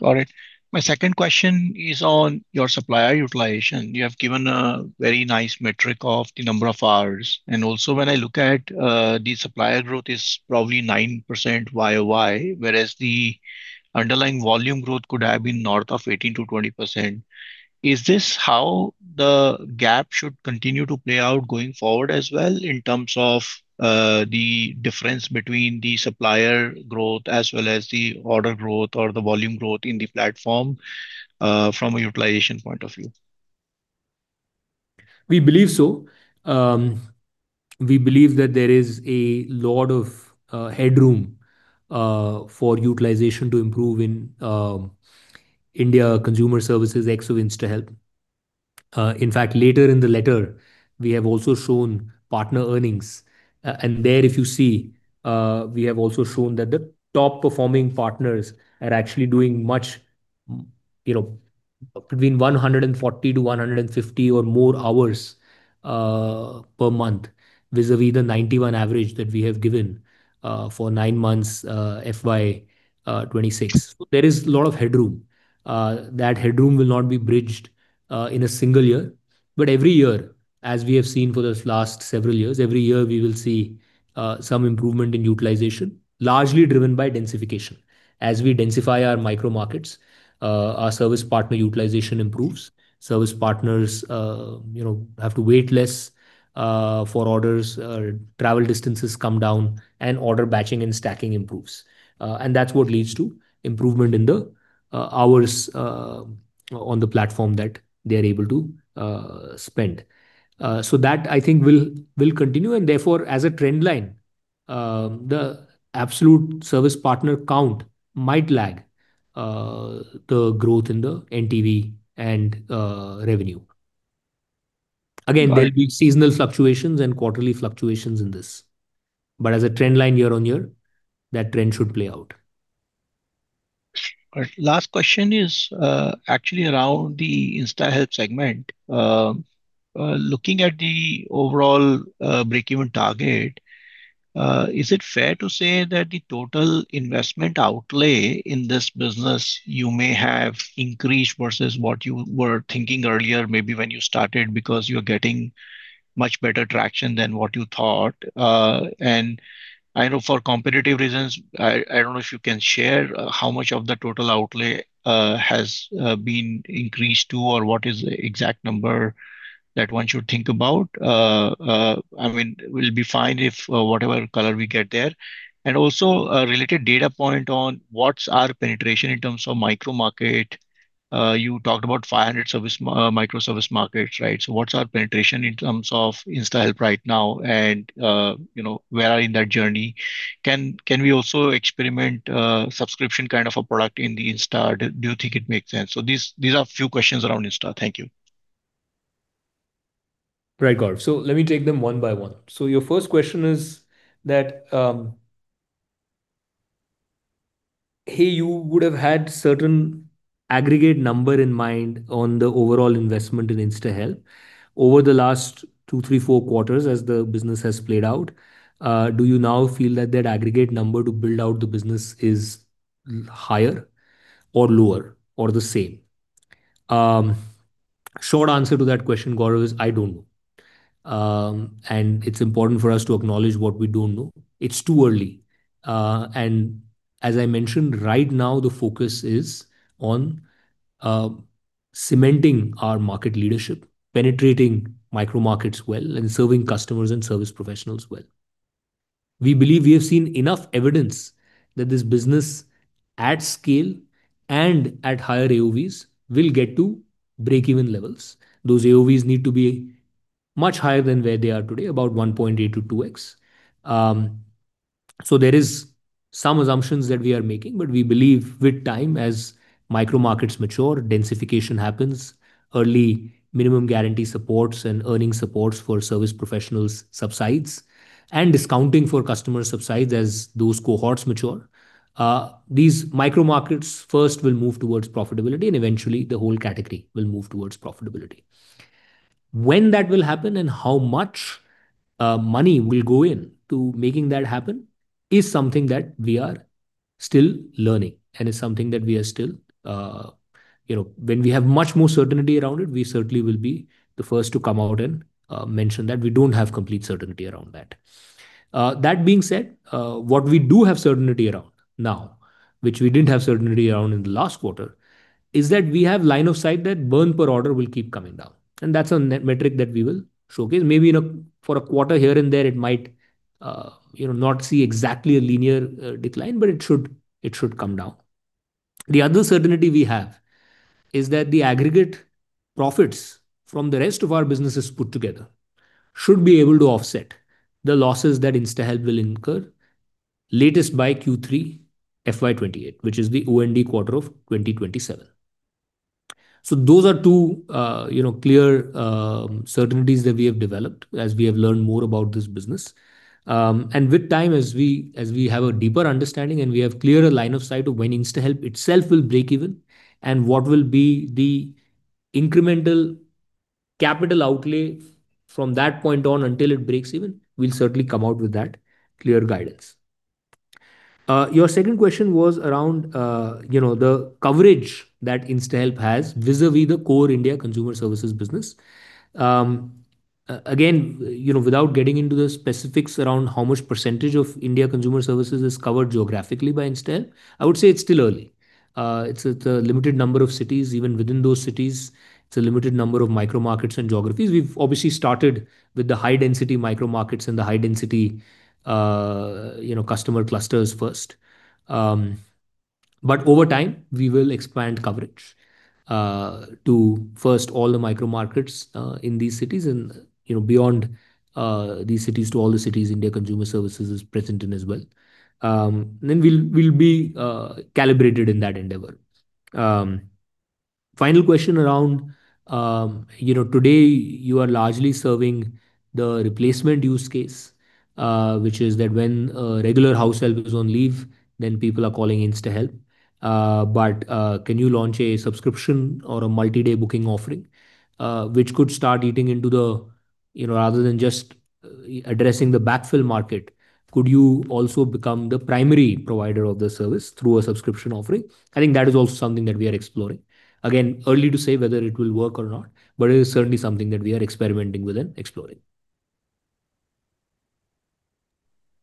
Got it. My second question is on your supplier utilization. You have given a very nice metric of the number of hours. And also when I look at the supplier growth is probably 9% year-over-year, whereas the underlying volume growth could have been north of 18%-20%. Is this how the gap should continue to play out going forward as well in terms of the difference between the supplier growth as well as the order growth or the volume growth in the platform? From a utilization point of view, we believe so. We believe that there is a lot of headroom for utilization to improve in India consumer services ex InstaHelp. In fact, later in the letter we have also shown partner earnings and there if you see we have also shown that the top performing partners are actually doing much, you know, between 140-150 or more hours per month vis-à-vis the 91 average that we have given for 9 months FY26, there is a lot of headroom. That headroom will not be bridged in a single year. But every year, as we have seen for the last several years, every year we will see some improvement in utilization, largely driven by densification. As we densify our micro markets, our service partner utilization improves. Service partners have to wait less for orders, travel distances come down and order batching and stacking improves. And that's what leads to improvement in the hours on the platform that they are able to spend. So that I think will continue. And therefore as a trend line, the absolute service partner count might lag the growth in the NTV and revenue. Again, there'll be seasonal fluctuations and quarterly fluctuations in this. But as a trend line, year-on-year that trend should play out. Last question is actually around the InstaHelp segment. Looking at the overall breakeven target, is it fair to say that the total investment outlay in this business you may have increased versus what you were thinking earlier, maybe when you started because you're getting much better traction than what you thought. And I know for competitive reasons, I don't know if you can share how much of the total outlay has been increased to or what is the exact number that one should think about. I mean will be fine if whatever color we get there. Also related data point on what's our penetration in terms of micro-market. You talked about 500 service micro-markets, right? So what's our penetration in terms of InstaHelp right now? And you know, where are in that journey? Can, can we also experiment subscription kind of a product in the InstaHelp? Do you think it makes sense? So these, these are few questions around InstaHelp. Thank you. Right, Gaurav. So let me take them one by one. So your first question is that hey, you would have had certain aggregate number in mind on the overall investment in InstaHelp over the last 2, 3, 4 quarters as the business has played out, do you now feel that that aggregate number to build out the business is higher or lower or the same? Short answer to that question, Gaurav, is I don't know. It's important for us to acknowledge what we don't know. It's too early. As I mentioned, right now the focus is on cementing our market leadership, penetrating micro markets well and serving customers and service professionals well. We believe we have seen enough evidence that this business at scale and at higher AOVs will get to break even levels. Those AOVs need to be much higher than where they are today, about 1.8x-2x. So there is some assumptions that we are making, but we believe with time, as micro markets mature, densification happens early. Minimum guarantee supports and earning supports for service professionals subsides and discounting for customer subsides. As those cohorts mature, these micro markets first will move towards profitability and eventually the whole category will move towards profitability. When that will happen and how much money will go into making that happen is something that we are still learning and is something that we are still. When we have much more certainty around it, we certainly will be the first to come out and mention that. We don't have complete certainty around that. That being said, what we do have certainty around now, which we didn't have certainty around in the last quarter, is that we have line of sight that burn per order will keep coming down and that's a metric that we will showcase maybe for a quarter here and there. It might not see exactly a linear decline, but it should come down. The other certainty we have is that the aggregate profits from the rest of our businesses put together should be able to offset the losses that InstaHelp will incur. Latest by Q3FY28, which is the OND quarter of 2027. So those are two, you know, clear certainties that we have developed as we have learned more about this business and with time, as we have a deeper understanding and we have clearer line of sight of when InstaHelp itself will break even and what will be the incremental capital outlay from that point on until it breaks even. We'll certainly come out with that clear guidance. Your second question was around the coverage that InstaHelp has vis a vis the core India consumer services business. Again, without getting into the specifics around how much percentage of India consumer services is covered geographically by InstaHelp. I would say it's still early. It's a limited number of cities. Even within those cities it's a limited number of micro markets and geographies. We've obviously started with the high density micro markets and the high density customer clusters first, but over time we will expand coverage to first all the micro markets in these cities and beyond these cities to all the cities India consumer services is present in as well. Then we'll be calibrated in that endeavor. Final question around. You know, today you are largely serving the replacement use case which is that when a regular house help is on leave then people are calling InstaHelp but can you launch a subscription or a multi-day booking offering which could start eating into the, you know, rather than just addressing the backfill market, could you also become the primary provider of the service through a subscription offering? I think that is also something that we are exploring. Again, early to say whether it will work or not. But it is certainly something that we are experimenting with and exploring.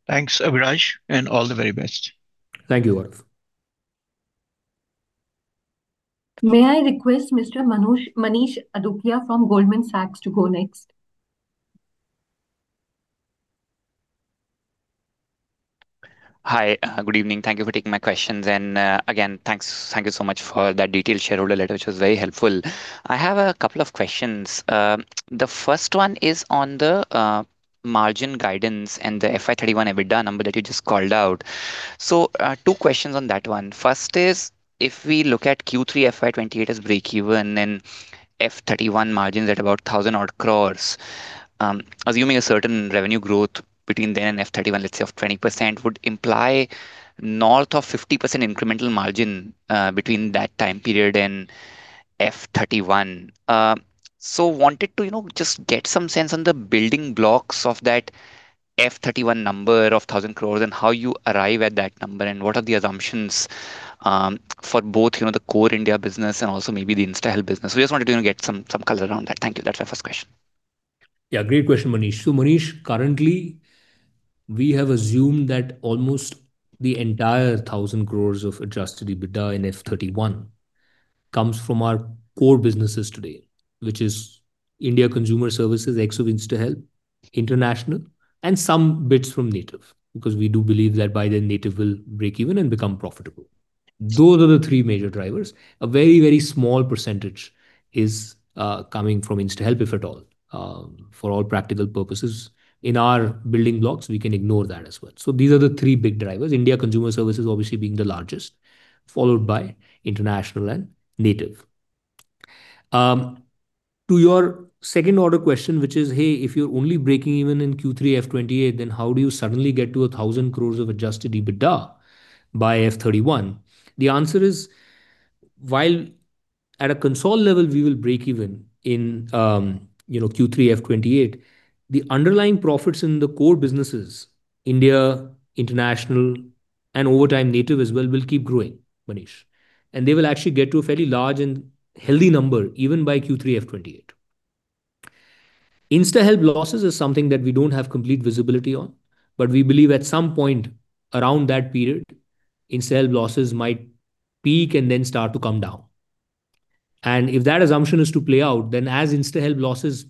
Thanks Abhiraj and all the very best. Thank you. May I request Mr. Manish Adukia from Goldman Sachs to go next? Hi, good evening. Thank you for taking my questions. And again thanks. Thank you so much for that detailed shareholder letter which was very helpful. I have a couple of questions. The first one is on the margin guidance and the FY31 EBITDA number that you just called out. So two questions on that one. First is if we look at Q3 FY28 as break even and FY31 margins at about 1,000 crore assuming a certain revenue growth between then and FY31, let's say of 20% would imply north of 50% incremental margin between that time period and FY31. So wanted to just get some sense on the building blocks of that FY31 number of 1,000 crore and how you arrive at that number and what are the assumptions for both the core India business and also maybe the InstaHelp business. So we just wanted to get some color around that. Thank you. That's my first question. Yeah, great question Manish. So Manish, currently we have assumed that almost the entire 1,000 crore of Adjusted EBITDA in FY31 comes from our core businesses today, which is India Consumer Services, ex InstaHelp International and some bits from Native because we do believe that by then Native will break even and become profitable. Those are the three major drivers. A very very small percentage is coming from InstaHelp if at all. For all practical purposes in our building blocks we can ignore that as well. So these are the three big drivers, India Consumer Services obviously being the largest, followed by International and Native. To your second order question which is hey, if you're only breaking even in Q3 FY28 then how do you suddenly get to 1,000 crore of Adjusted EBITDA by FY31? The answer is while at a consolidated level we will break even in Q3 FY28, the underlying profits in the core businesses, India, International and over time Native as well will keep growing, Manish, and they will actually get to a fairly large and healthy number even by Q3 FY28. InstaHelp losses is something that we don't have complete visibility on. But we believe at some point around that period InstaHelp losses might peak and then start to come down. If that assumption is to play out, then as InstaHelp losses,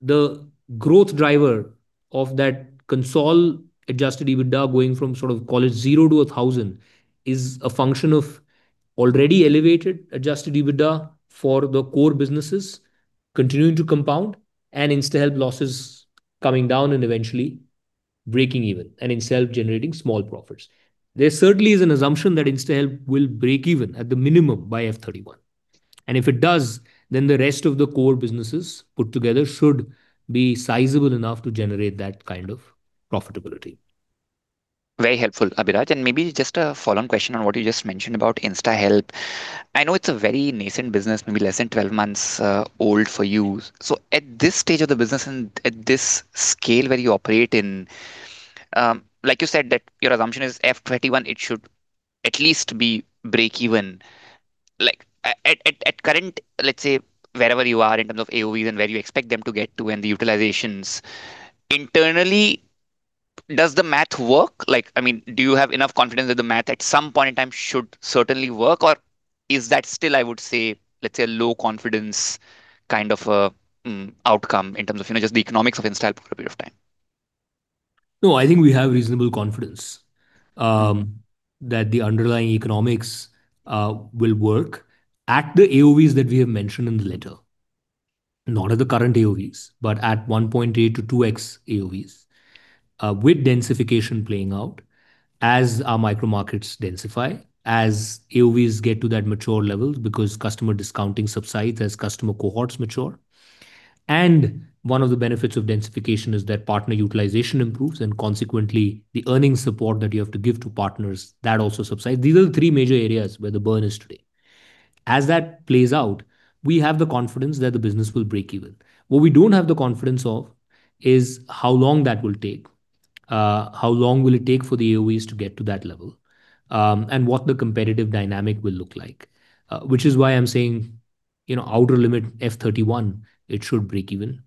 the growth driver of that consol, Adjusted EBITDA going from, sort of, call it 0-1,000 is a function of already elevated Adjusted EBITDA for the core businesses continuing to compound and InstaHelp losses coming down and eventually breaking even and itself generating small profits. There certainly is an assumption that InstaHelp will break even at the minimum by FY31 and if it does, then the rest of the core businesses put together should be sizable enough to generate that kind of profitability. Very helpful Abhiraj and maybe just a follow on question on what you just mentioned about InstaHelp. I know it's a very nascent business, maybe less than 12 months old for you. So at this point, this stage of the business and at this scale where you operate in, like you said that your assumption is FY31, it should at least be break even like at, at current, let's say wherever you are in terms of AOVs and where you expect them to get to and the utilizations internally. Does the math work? Like I mean do you have enough confidence that the math at some point in time should certainly work? Or is that still, I would say let's say a low confidence kind of outcome in terms of, you know, just the economics of InstaHelp for a period of time? No, I think we have reasonable confidence that the underlying economics will work at the AOVs that we have mentioned in the letter, not at the current AOVs, but at 1.8x-2x AOVs with densification playing out as our micro markets densify as areas get to that mature level because customer discounting subsides as customer cohorts mature. And one of the benefits of densification is that partner utilization improves and consequently the earnings support that you have to give to partners that also subside. These are the three major areas where the burn is today. As that plays out, we have the confidence that the business will break even. What we don't have the confidence of is how long that will take. How long will it take for the AOVs to get to that level and what the competitive dynamic will look like. Which is why I'm saying, you know, outer limit, FY31 it should break even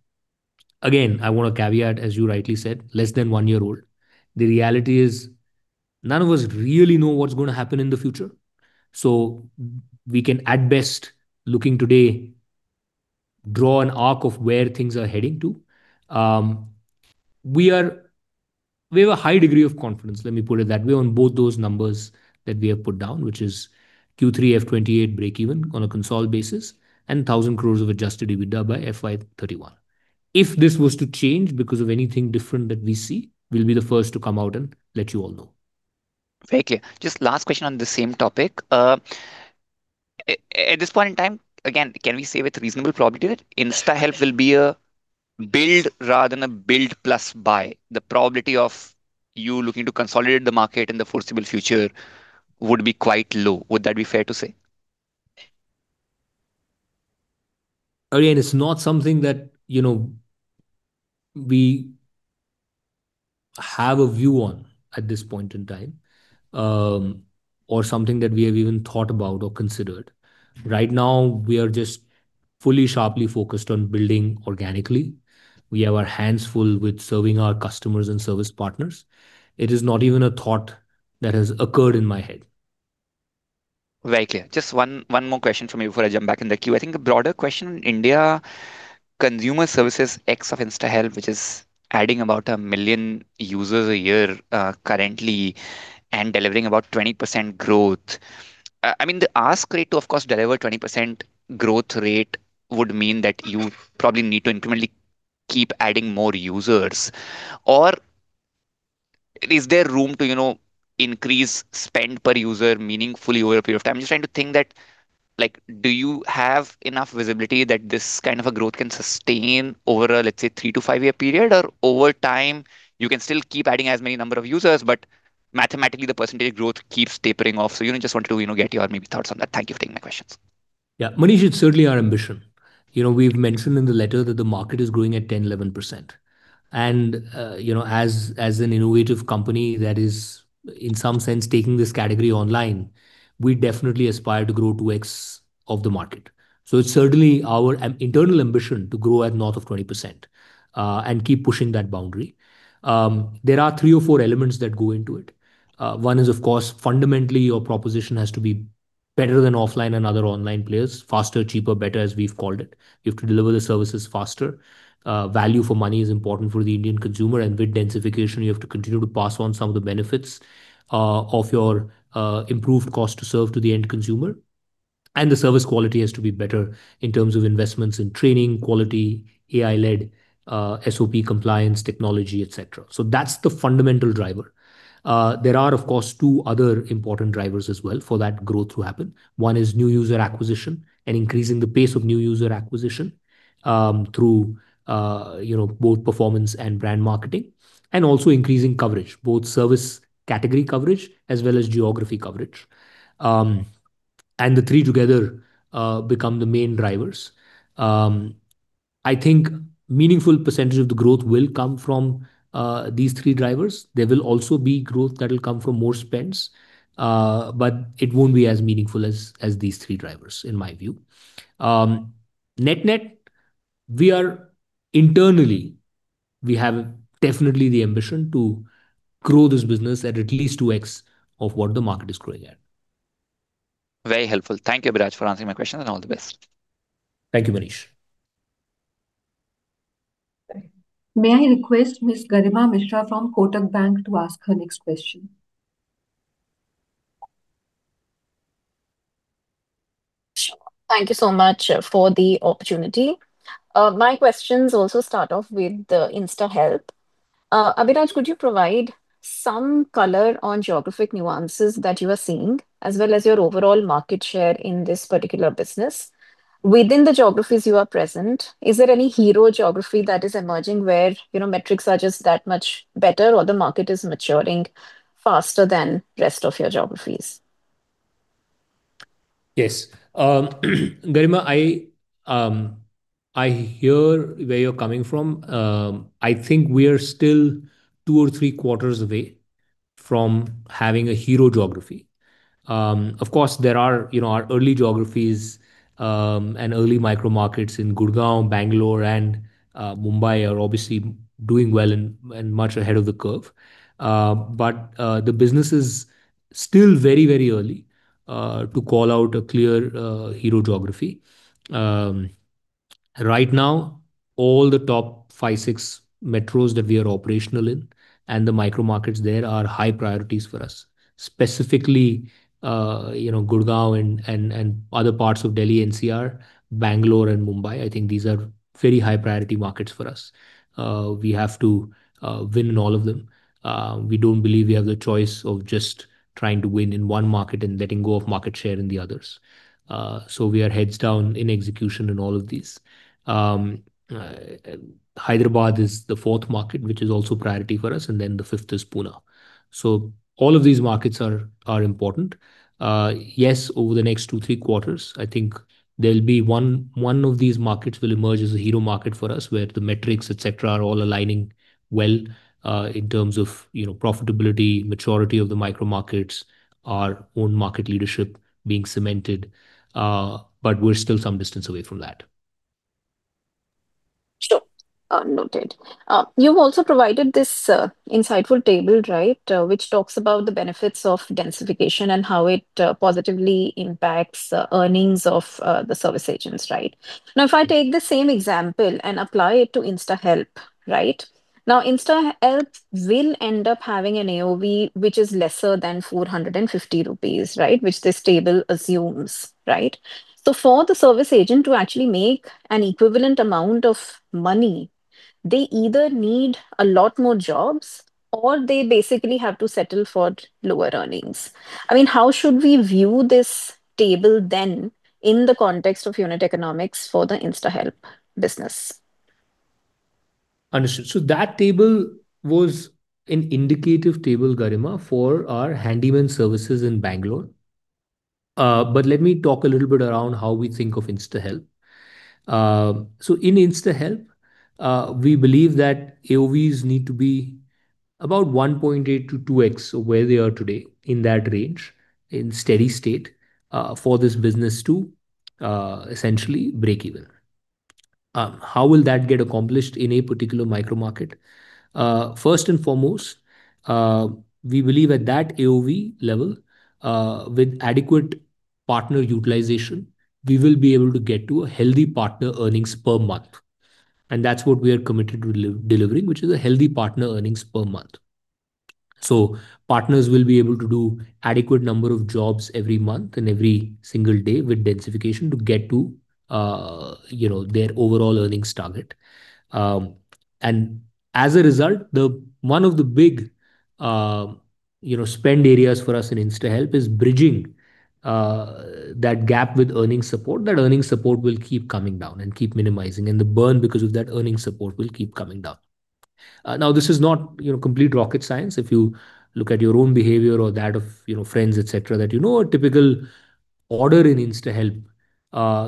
again. I want to caveat, as you rightly said, less than one year old. The reality is none of us really know what's going to happen in the future. So we can at best looking today. Draw an arc of where things are heading to. We are, we have a high degree of confidence, let me put it that way on both those numbers that we have put down, which is Q3 FY28 break even on a consolidated basis and 1,000 crore of adjusted EBITDA by FY31. If this was to change because of anything different that we see, we'll be the first to come out and let you all know. Just last question on the same topic at this point in time again, can we say with reasonable probability that InstaHelp will be a build rather than a build plus buy? The probability of you looking to consolidate the market in the foreseeable future would be quite low. Would that be fair to say? Again, it's not something that, you know, we have a view on at this point in time or something that we have even thought about or considered. Right now we are just fully sharply focused on building organically. We have our hands full with serving our customers and service partners. It is not even a thought that has occurred in my head. Very clear. Just one more question for me before I jump back in the queue. I think a broader question in India Consumer Services ex of InstaHelp, which is adding about 1 million users a year currently and delivering about 20% growth. I mean the ask is to of course deliver 20% growth rate would mean that you probably need to incrementally keep adding more users or is there room to, you know, increase spend per user meaningfully over a period of time? You're trying to think that like do you have enough visibility that this kind of a growth can sustain over a, let's say three- to five-year period or over time. You can still keep adding as many number of users but mathematically the percentage growth keeps tapering off. So you don't just want to get your maybe thoughts on that. Thank you for taking my questions. Yeah Manish, it's certainly our ambition. You know we've mentioned in the letter that the market is growing at 10%-11% and you know, as, as an innovative company that is in some sense taking this category online we definitely aspire to grow 2x of the market. So it's certainly our internal ambition to grow at north of 20% and keep pushing that boundary. There are three or four elements that go into it. One is of course fundamentally your proposition has to be better than offline and other online players, faster, cheaper, better as we've called it. You have to deliver the services faster. Value for money is important for the Indian consumer and with Densification, you have to continue to pass on some of the benefits of your improved cost to serve to the end consumer. The service quality has to be better in terms of investments in training, quality, AI-led, SOP compliance technology, etc. So that's the fundamental driver. There are of course two other important drivers as well for that growth to happen. One is new user acquisition and increasing the pace of new user acquisition through, you know, both performance and brand marketing and also increasing coverage, both service category coverage as well as geography coverage. And the three together become the main drivers. I think meaningful percentage of the growth will come from these three drivers. There will also be growth that will come from more spends, but it won't be as meaningful as these three drivers in my view. Net net we are internally we have definitely the ambition to grow this business at least 2x of what the market is growing at. Very helpful. Thank you Abhiraj for answering my questions and all the best. Thank you Manish. May I request Ms. Garima Mishra from Kotak Bank to ask her next question? Thank you so much for the opportunity. My questions also start off with InstaHelp. Abhiraj, could you provide some color on geographic nuances that you are seeing as well as your overall market share in this particular business? Within the geographies you are present, is there any hero geography that is emerging where you know, metrics are just that much better or the market is maturing faster than rest of your geographies? Yes, Garima. I hear where you're coming from. I think we are still two or three quarters away from having a hero geography. Of course there are early geographies and early micro markets in Gurgaon, Bangalore and Mumbai are obviously doing well and much ahead of the curve. But the business is still very, very early to call out a clear hero geography. Right now all the top 5, 6 metros that we are operational in and the micro markets there are high priorities for us. Specifically you know, Gurgaon and other parts of Delhi, NCR, Bangalore and Mumbai. I think these are very high priority markets for us. We have to win in all of them. We don't believe we have the choice of just trying to win in one market and letting go of market share in the others. So we are heads down in execution in all of these. Hyderabad is the fourth market which is also priority for us and then the fifth is Pune. So all of these markets are important. Yes. Over the next 2, 3/4 I think there'll be one of these markets will emerge as a hero market. For us, where the metrics etc. are all aligning well in terms of profitability, maturity of the micro markets, our own market leadership being cemented. But we're still some distance away from that. Sure. Noted. You've also provided this insightful table, right? Which talks about the benefits of densification and how it positively impacts earnings of the service agents. Right. Now, if I take the same example and apply it to InstaHelp right now, InstaHelp will end up having an AOV which is lesser than 450 rupees, right? Which this table assumes. Right. So for the service agent to actually make an equivalent amount of money, they either need a lot more jobs or they basically have to settle for lower earnings. I mean, how should we view this table then in the context of unit economics for the InstaHelp business? Understood. So that table was an indicative table Garima, for our handyman services in Bangalore. But let me talk a little bit around how we think of InstaHelp. So in InstaHelp we believe that AOVs need to be about 1.8-2x where they are today in that range in steady state for this business to essentially break even. How will that get accomplished in a particular micro market? First and foremost, we believe at that AOV level with adequate partner utilization, we will be able to get to a healthy partner earnings per month. And that's what we are committed to delivering, which is a healthy partner earnings per month. So partners will be able to do adequate number of jobs every month and every single day with densification to get to, you know, their overall earnings target. And as a result, one of the big, you know, spend areas for us in InstaHelp is bridging that gap with earnings support. That earnings support will keep coming down and keep minimizing and the burn because of that earnings support will keep coming down. Now this is not, you know, complete rocket science. If you look at your own behavior or that of, you know, friends, etc. That you know, a typical order in InstaHelp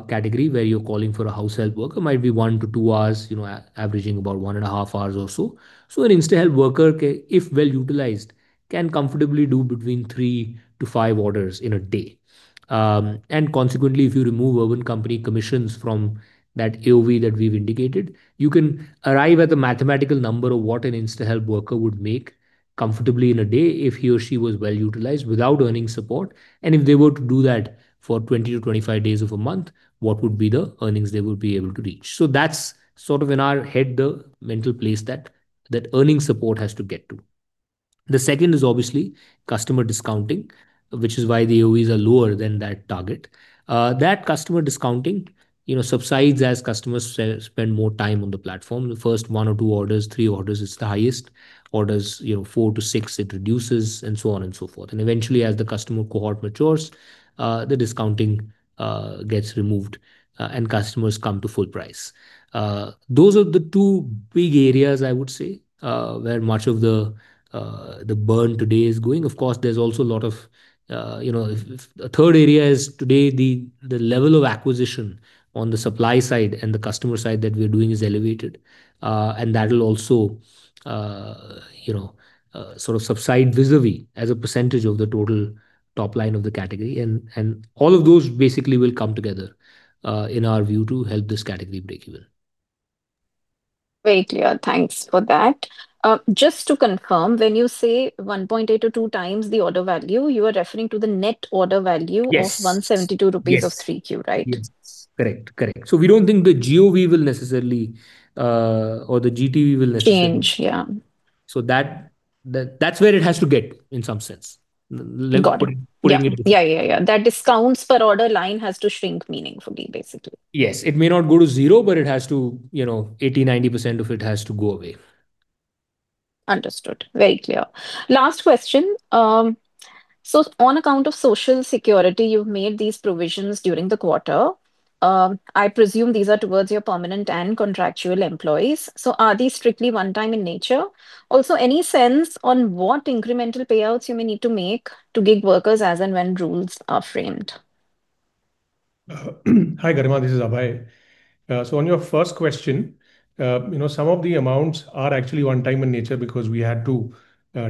category where you're calling for a house help worker might be 1-2 hours, you know, averaging about 1.5 hours or so. So an InstaHelp worker, if well utilized, can comfortably do between 3-5 orders in a day. Consequently, if you remove Urban Company commissions from that AOV that we've indicated, you can arrive at the mathematical number of what an InstaHelp worker would make comfortably in a day if he or she was well utilized without earning support. If they were to do that for 20-25 days of a month, what would be the earnings they would be able to reach. That's sort of in our head, the mental place that that earning support has to get to. The second is obviously customer discounting, which is why the AOVs are lower than that target. That customer discounting, you know, subsides as customers spend more time on the platform. The first 1 or 2 orders, 3 orders is the highest orders, you know, 4 to 6, it reduces and so on and so forth. Eventually as the customer cohort matures, the discounting gets removed and customers come to full price. Those are the two big areas I would say where much of the, the burn today is going. Of course there's also a lot of, you know, a third area is today the, the level of acquisition on the supply side and the customer side that we're doing is elevated and that will also, you know, sort of subside vis-à-vis as a percentage of the total top line of the category. And, and all of those basically will come together in our view to help this category break even. Very clear. Thanks for that. Just to confirm, when you say 1.8-2 times the order value, you are referring to the net order value of 172 rupees of Q3, right? Correct, correct. So we don't think the NOV will necessarily or the GTV will change. Yeah. so that, that's where it has to get in some sense. Yeah, yeah, yeah. That discounts per order line has to shrink meaningfully. Basically. Yes, it may not go to zero, but it has to, you know, 80, 90 of it has to go away. Understood, very clear. Last question. So on account of Social Security you've made these provisions during the quarter. I presume these are towards your permanent and contractual employees. So are these strictly one time in nature also any sense on what incremental payouts you may need to make to gig workers as and when rules are framed? Hi Garima, this is Abhay. So on your first question, you know, some of the amounts are actually one-time in nature because we had to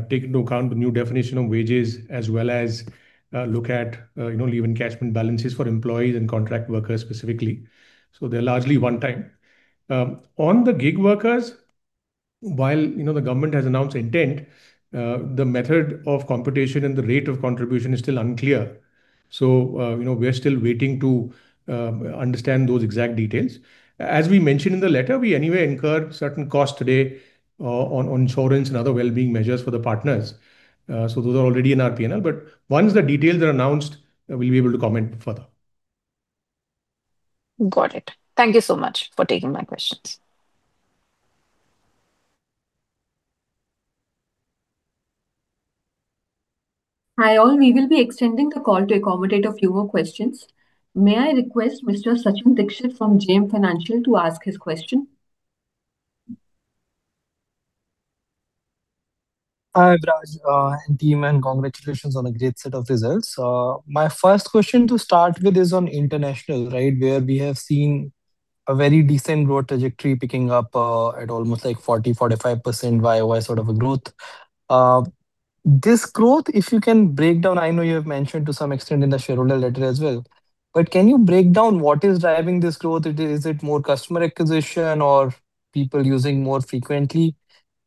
take into account the new definition of wages as well as look at, you know, leave encashment balances for employees and contract workers specifically. So they're largely one-time on the gig workers. While you know, the government has announced intent, the method of computation and the rate of contribution is still unclear. So you know, we're still waiting to understand those exact details. As we mentioned in the letter, we anyway incur certain costs today on insurance and other well-being measures for the partners. So those are already in our P&L but once the details are announced we'll be able to comment further. Got it. Thank you so much for taking my questions. Hi all, we will be extending the call to accommodate a few more questions. May I request Mr. Sachin Dixit from JM Financial to ask his question? Hi Abhiraj and team and congratulations on a great set of results. My first question to start with is on international, right where we have seen a very decent growth trajectory picking up at almost like 40%-45% YoY sort of a growth. This growth. If you can break down, I know you have mentioned to some extent in the shareholder letter as well, but can you break down what is driving this growth? Is it more customer acquisition or people using more frequently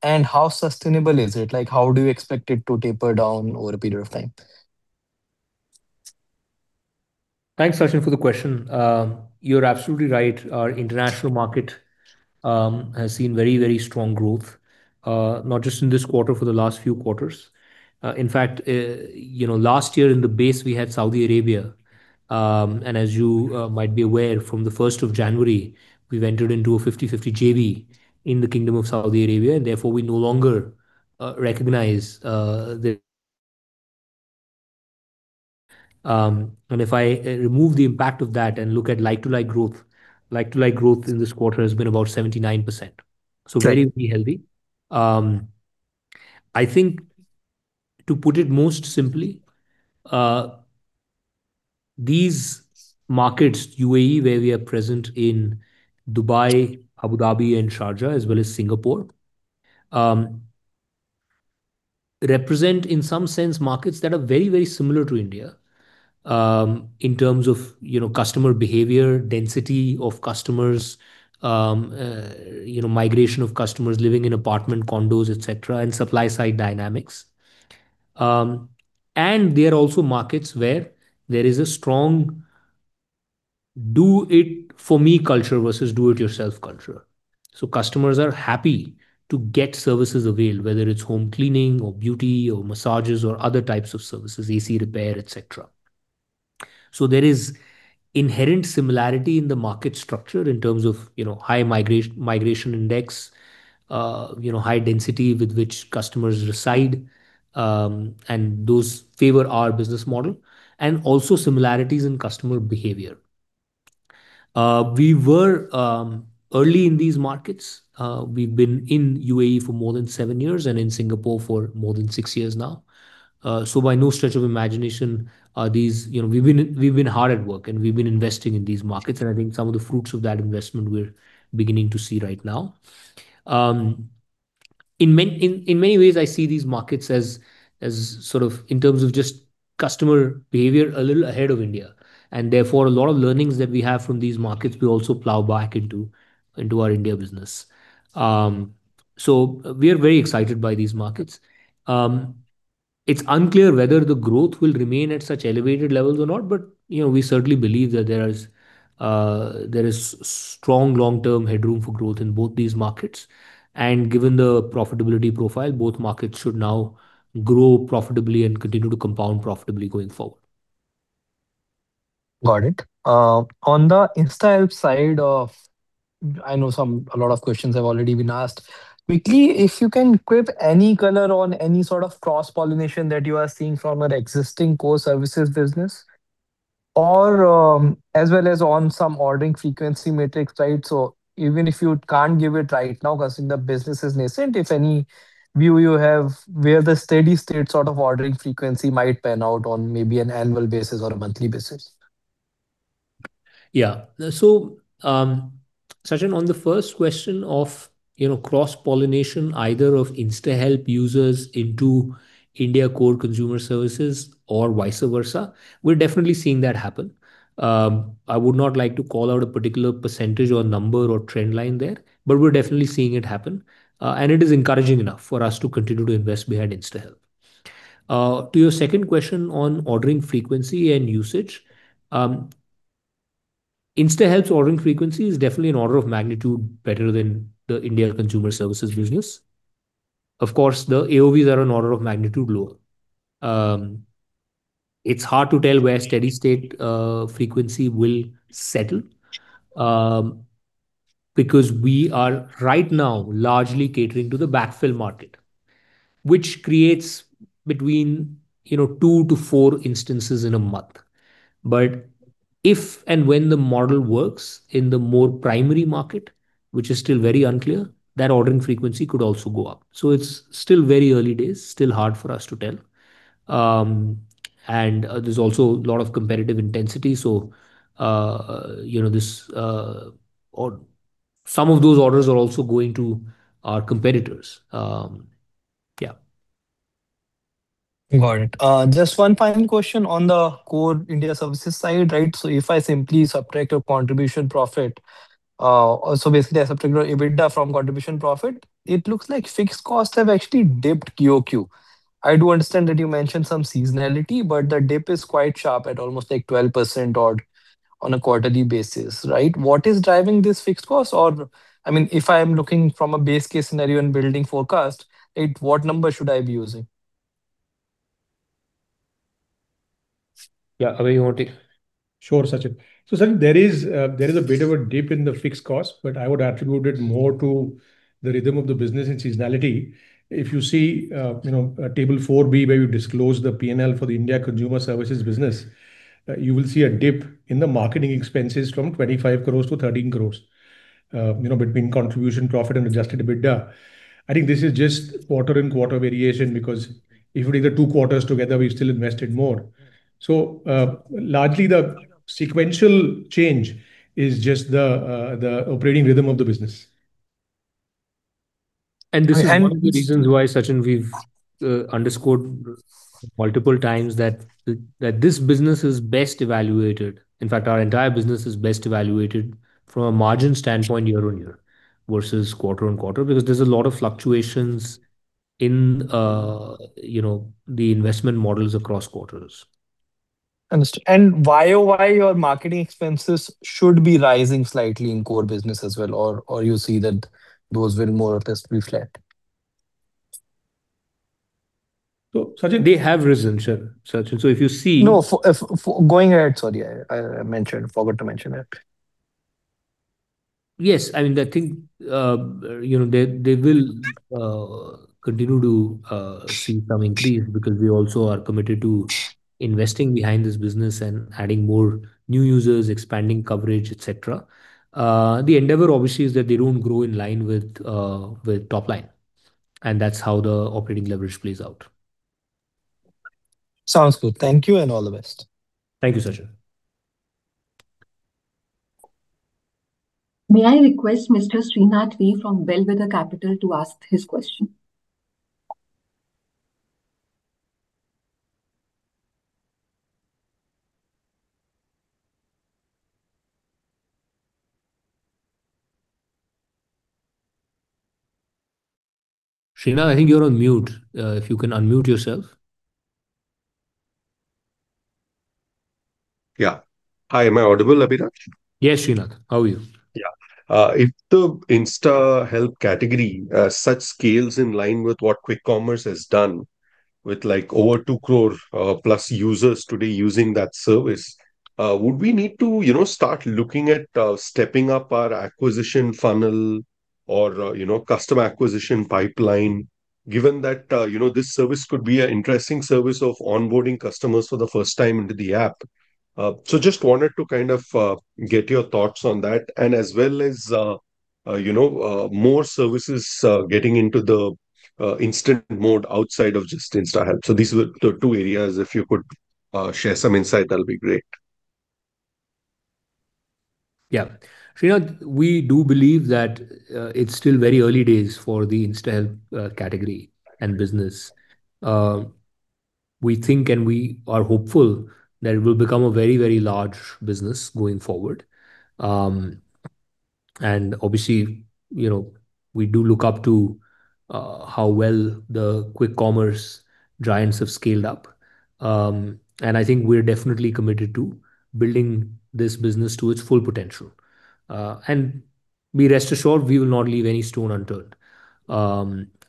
and how sustainable is it? Like how do you expect it to taper down over a period of time? Thanks Sachin for the question. You're absolutely right. Our international market has seen very, very strong growth not just in this quarter, for the last few quarters. In fact, you know last year in the base we had Saudi Arabia and as you might be aware from the 1st of January we've entered into a 50/50 JV in the Kingdom of Saudi Arabia and therefore we no longer recognize. And if I remove the impact of that and look at like to like growth, like to like growth in this quarter has been about 79% so very healthy. I think to put it most simply, these markets, UAE where we are present in Dubai, Abu Dhabi and Sharjah as well as Singapore represent in some sense markets that are very, very similar to India in terms of customer behavior, density of customers, migration of customers living in apartment condos, etc. And supply side dynamics. There are also markets where there is a strong do it for me culture versus do it yourself culture. Customers are happy to get services availed whether it's home cleaning or beauty or massages or other types of services, AC repair, etc. There is inherent similarity in the market structure in terms of high migration index, you know, high density with which customers reside and those favor our business model and also similarities in customer behavior. We were early in these markets. We've been in UAE for more than 7 years and in Singapore for more than 6 years now. So by no stretch of imagination, these, you know, we've been hard at work and we've been investing in these markets and I think some of the fruits of that investment we're beginning to see right now in many ways. I see these markets as sort of in terms of just customer behavior a little ahead of India and therefore a lot of learnings that we have from these markets we also plow back into our India business. So we are very excited by these markets. It's unclear whether the growth will remain at such elevated levels or not. But you know we certainly believe that there is strong long term headroom for growth in both these markets and given the profitability profile, both markets should now grow profitably and continue to compound profitably going forward. Got it. On the InstaHelp side, I know some, a lot of questions have already been asked. Quickly, if you can give any color on any sort of cross-pollination that you are seeing from an existing core services business or as well as on some ordering frequency metrics. Right. So even if you can't give it right now because the business is nascent, if any view you have where the steady state sort of ordering frequency might pan out on maybe an annual basis or a monthly basis. Yeah. So Sachin, on the first question of, you know, cross-pollination either of InstaHelp users into our core consumer services or vice versa, we're definitely seeing that happen. I would not like to call out a particular percentage or number or trend line there, but we're definitely seeing it happen and it is encouraging enough for us to continue to invest behind InstaHelp. To your second question on ordering frequency and usage. InstaHelp's ordering frequency is definitely an order of magnitude better than the India consumer services business. Of course the AOVs are an order of magnitude lower. It's hard to tell where steady state frequency will settle because we are right now largely catering to the backfill market which creates between you know, 2-4 instances in a month. But if and when the model works in the more primary market, which is still very unclear, that ordering frequency could also go up. So it's still very early days, still hard for us to tell. And there's also a lot of competitive intensity. So you know this or some of those orders are also going to our competitors. Yeah, got it. Just one final question on the core India services side. Right. So if I simply subtract a contribution profit. So basically I subtract EBITDA from contribution profit it looks like fixed costs have actually dipped QoQ. I do understand that you mentioned some seasonality but the dip is quite sharp at almost like 12% odd on a quarterly basis. Right. What is driving this fixed cost or I mean if I am looking from a base case scenario and building forecast it, what number should I be using. Yeah, sure, Sachin. So sir, there is a bit of a dip in the fixed cost but I would attribute it more to the rhythm of the business and seasonality. If you see, you know, table 4B where you disclose the P&L for the India consumer services business, you will see a dip in the marketing expenses from 25 crore to 13 crore. You know, between contribution profit and adjusted EBITDA. I think this is just quarter and quarter variation because if you take the two quarters together, we've still invested more. So largely the sequential change is just the operating rhythm of the business. And this is one of the reasons why, Sachin, we've underscored multiple times that this business is best evaluated. In fact our entire business is best evaluated from a margin standpoint, year-on-year versus quarter-on-quarter because there's a lot of fluctuations in, you know, the investment models across quarters. And why your marketing expenses should be rising slightly in core business as well. Or, you see that those will more or less be flat. So they have risen. So if you see. No, if. Going ahead. Sorry, I forgot to mention it. Yes, I mean I think, you know, they will continue to see some increase because we also are committed to investing behind this business and adding more new users, expanding coverage, etc. The endeavor obviously is that they don't grow in line with. With top line and that's how the operating leverage plays out. Sounds good. Thank you and all the best. Thank you. Sachin, may I request Mr. Srinath V from Bellwether Capital to ask his question? Srinath, I think you're on mute if you can unmute yourself. Yeah. Hi. Am I audible? Yes, Srinath, how are you? Yeah, if the InstaHelp category such scales in line with what Quick Commerce has done with like over 2 crore plus users today using that service, would we need to, you know, start looking at stepping up our acquisition funnel or you know, customer acquisition pipeline given that this service could be an interesting service of onboarding customers for the first time into the app. So just wanted to kind of get your thoughts on that and as well as more services getting into the instant mode outside of just InstaHelp. So these were the two areas. If you could share some insight, that'll be great. Yeah. Srinath, we do believe that it's still very early days for the InstaHelp category and business. We think and we are hopeful that it will become a very, very large business going forward. Obviously, you know, we do look up to how well the Quick Commerce giants have scaled up and I think we're definitely committed to building this business to its full potential. Be rest assured we will not leave any stone unturned.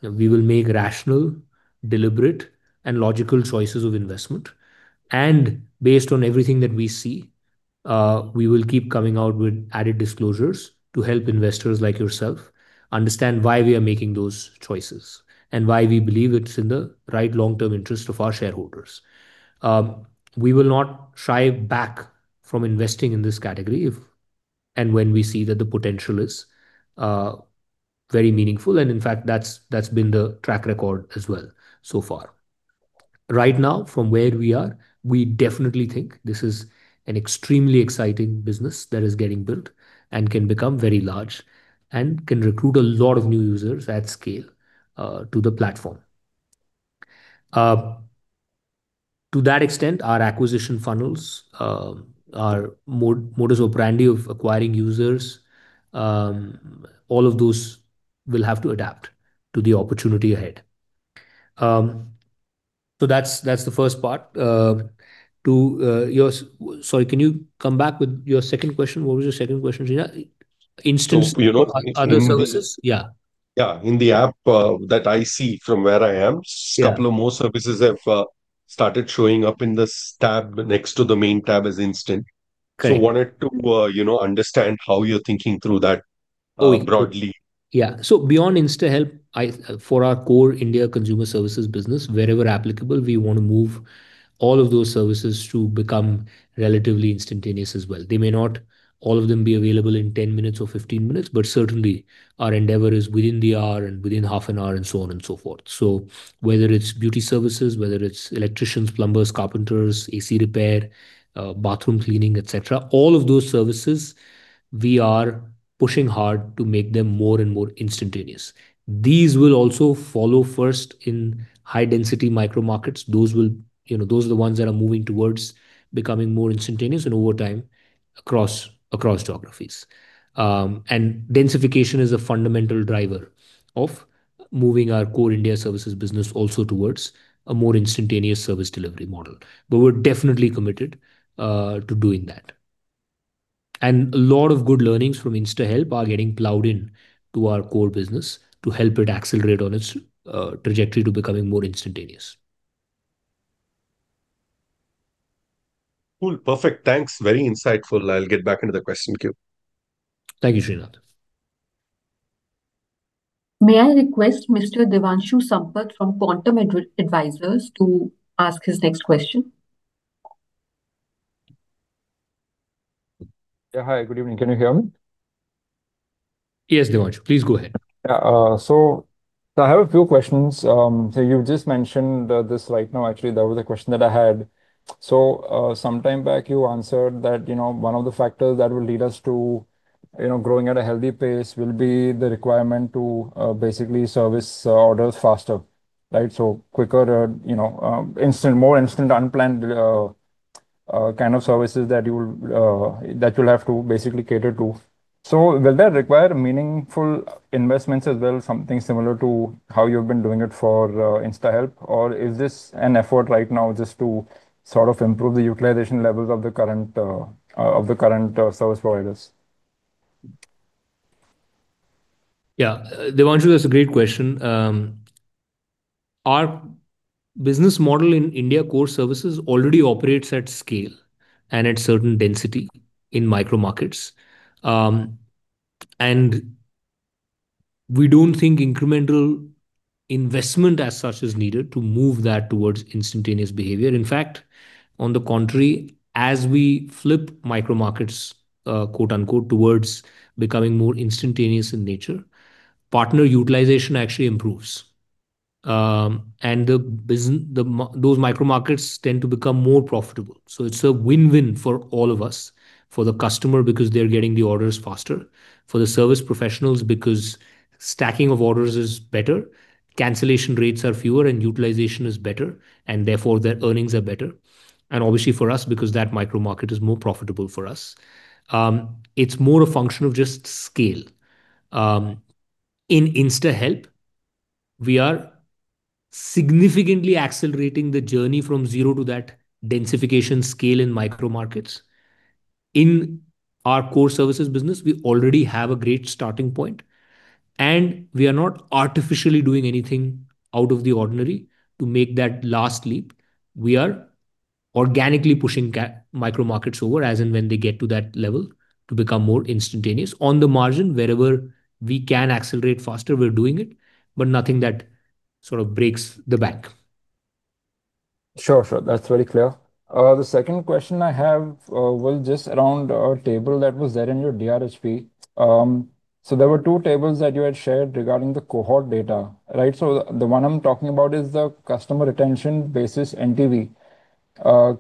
We will make rational, deliberate and logical choices of investment. Based on everything that we see, we will keep coming out with added disclosures to help investors like yourself understand why we are making those choices and why we believe it's in the right long term interest of our shareholders. We will not shy back from investing in this category and when we see that the potential is very meaningful. And in fact that's been the track record as well so far right now from where we are, we definitely think this is an extremely exciting business that is getting built and can become very large and can recruit a lot of new users at scale to the platform to that extent. Our acquisition funnels our modus operandi of acquiring users. All of those will have to adapt to the opportunity ahead. So that's, that's the first part to your. Sorry, can you come back with your second question? What was your second question? Insta, you know, other services. Yeah, yeah. In the app that I see from where I am, couple of more services have started showing up in this tab, next to the main tab as Insta. So wanted to, you know, understand how you're thinking through that broadly. Yeah. So beyond InstaHelp for our core India consumer services business, wherever applicable, we want to move all of those services to become relatively instantaneous as well. They may not all of them be available in 10 minutes or 15 minutes, but certainly our endeavor is within the hour and within half an hour and so on and so forth. So whether it's beauty services, whether it's electricians, plumbers, carpenters, AC repair, bathroom cleaning, etc., all of those services, we are pushing hard to make them more and more instantaneous. These will also follow first in high density micro markets. Those will, you know, those are the ones that are moving towards becoming more instantaneous and over time across geographies and densification is a fundamental driver of moving our core India services business also towards a more instantaneous service delivery model. But we're definitely committed to doing that and a lot of good learnings from InstaHelp are getting plowed in to our core business to help it accelerate on its trajectory to becoming more instantaneous. Cool. Perfect. Thanks. Very insightful. I'll get back into the question queue. Thank you. Srinath, may I request Mr. Devanshu Sampat from Quantum Advisors to ask his next question? Yeah. Hi, good evening, can you hear me? Yes Devanshu, please go ahead. So I have a few questions. So you just mentioned this right now. Actually that was a question that I had. So sometime back you answered that, you know, one of the factors that will lead us to, you know, growing at a healthy pace will be the requirement to basically service orders faster. Right? So quicker, you know, instant more instant unplanned kind of services that you will, that you'll have to basically cater to. So will that require meaningful investments as well, something similar to how you've been doing it for InstaHelp? Or is this an effort right now just to sort of improve the utilization levels of the current, of the current service providers? Yeah Devanshu, that's a great question. Our business model in India, core services already operates at scale and at certain density in micro markets. And we don't think incremental investment as such is needed to move that towards instantaneous behavior. In fact, on the contrary, as we flip micro markets quote unquote towards becoming more instantaneous in nature, partner utilization actually improves and the business, the those micro markets tend to become more profitable. So it's a win-win for all of us, for the customer because they're getting the orders faster. For the service professionals because stacking of orders is better, cancellation rates are fewer and utilization is better and therefore their earnings are better. And obviously for us, because that micro-market is more profitable for us, it's more a function of just scale. In InstaHelp we are significantly accelerating the journey from zero to that densification scale in micro-markets. In our core services business we already have a great starting point and we are not artificially doing anything out of the ordinary to make that last leap. We are organically pushing micro-markets over as and when they get to that level to become more instantaneous on the margin wherever we can accelerate faster, we're doing it. But nothing that sort of breaks the bank. Sure, that's very clear. The second question I have was just around a table that was there in your DRHP. So there were two tables that you had shared regarding the cohort data. Right. So the one I'm talking about is the customer retention basis NTV.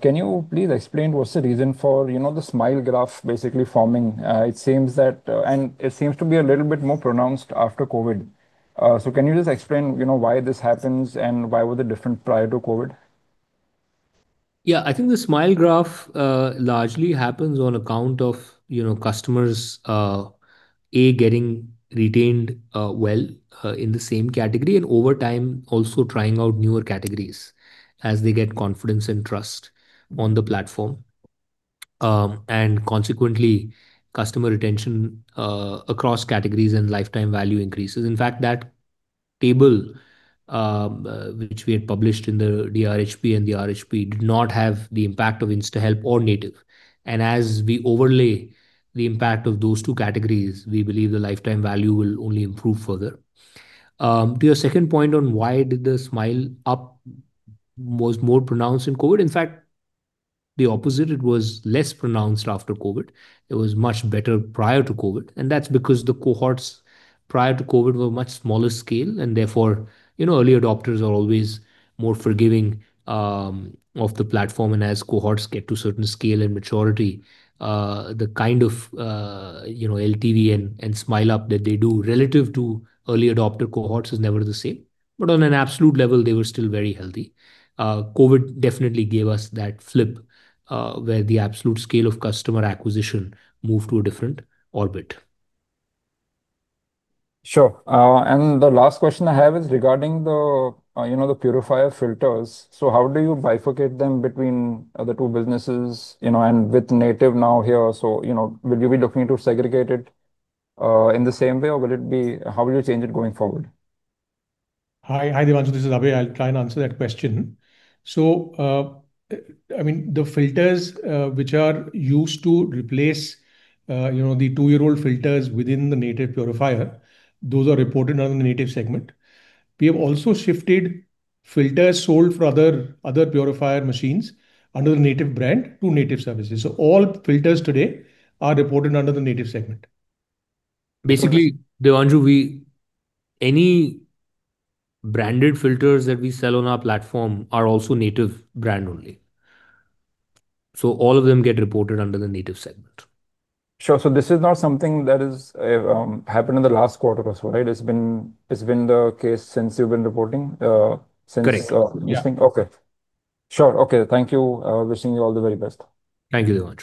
Can you please explain what's the reason for, you know, the smile graph basically forming? It seems that and it seems to be a little bit more pronounced after COVID. So can you just explain, you know, why this happens and why was it different prior to COVID? Yeah, I think the smile graph largely happens on account of, you know, customers getting retained well in the same category and over time they also trying out newer categories as they get confidence and trust on the platform and consequently customer retention across categories and lifetime value increases. In fact, that table which we had published in the DRHP and the RHP did not have the impact of InstaHelp or Native. And as we overlay the impact of those two categories, we believe the lifetime value will only only improve. Further to your second point on why did the smile up was more pronounced in COVID? In fact the opposite, it was less pronounced after COVID. It was much better prior to COVID. And that's because the cohorts prior to COVID were much smaller scale and therefore early adopters are always more forgiving of the platform. And as cohorts get to certain scale and maturity, the kind of LTV and smile up that they do relative to early adopter cohorts is never the same. But on an absolute level they were still very healthy. COVID definitely gave us that flip where the absolute scale of customer acquisition moved to a different orbit. Sure. And the last question I have is regarding the, you know, the purifier filters. So how do you bifurcate them between the two businesses? You know, and with Native now here. So you know, would you be looking to segregate it in the same way or will it be, how will you change it going forward? Hi. Hi, this is Abhay. I'll try and answer that question. So I mean the filters which are used to replace, you know, the two-year-old filters within the Native purifier, those are reported on the Native segment. We have also shifted filters sold for other, other purifier machines under the Native brand to Native services. So all filters today are reported under the Native segment. Basically Devanshu, we. Any branded filters that we sell on our platform are also Native brand only. So all of them get reported under the Native segment. Sure. So this is not something that is happened in the last quarter or so, right? It's been, it's been the case since you've been reporting. Okay, sure. Okay. Thank you. Wishing you all the very best. Thank you.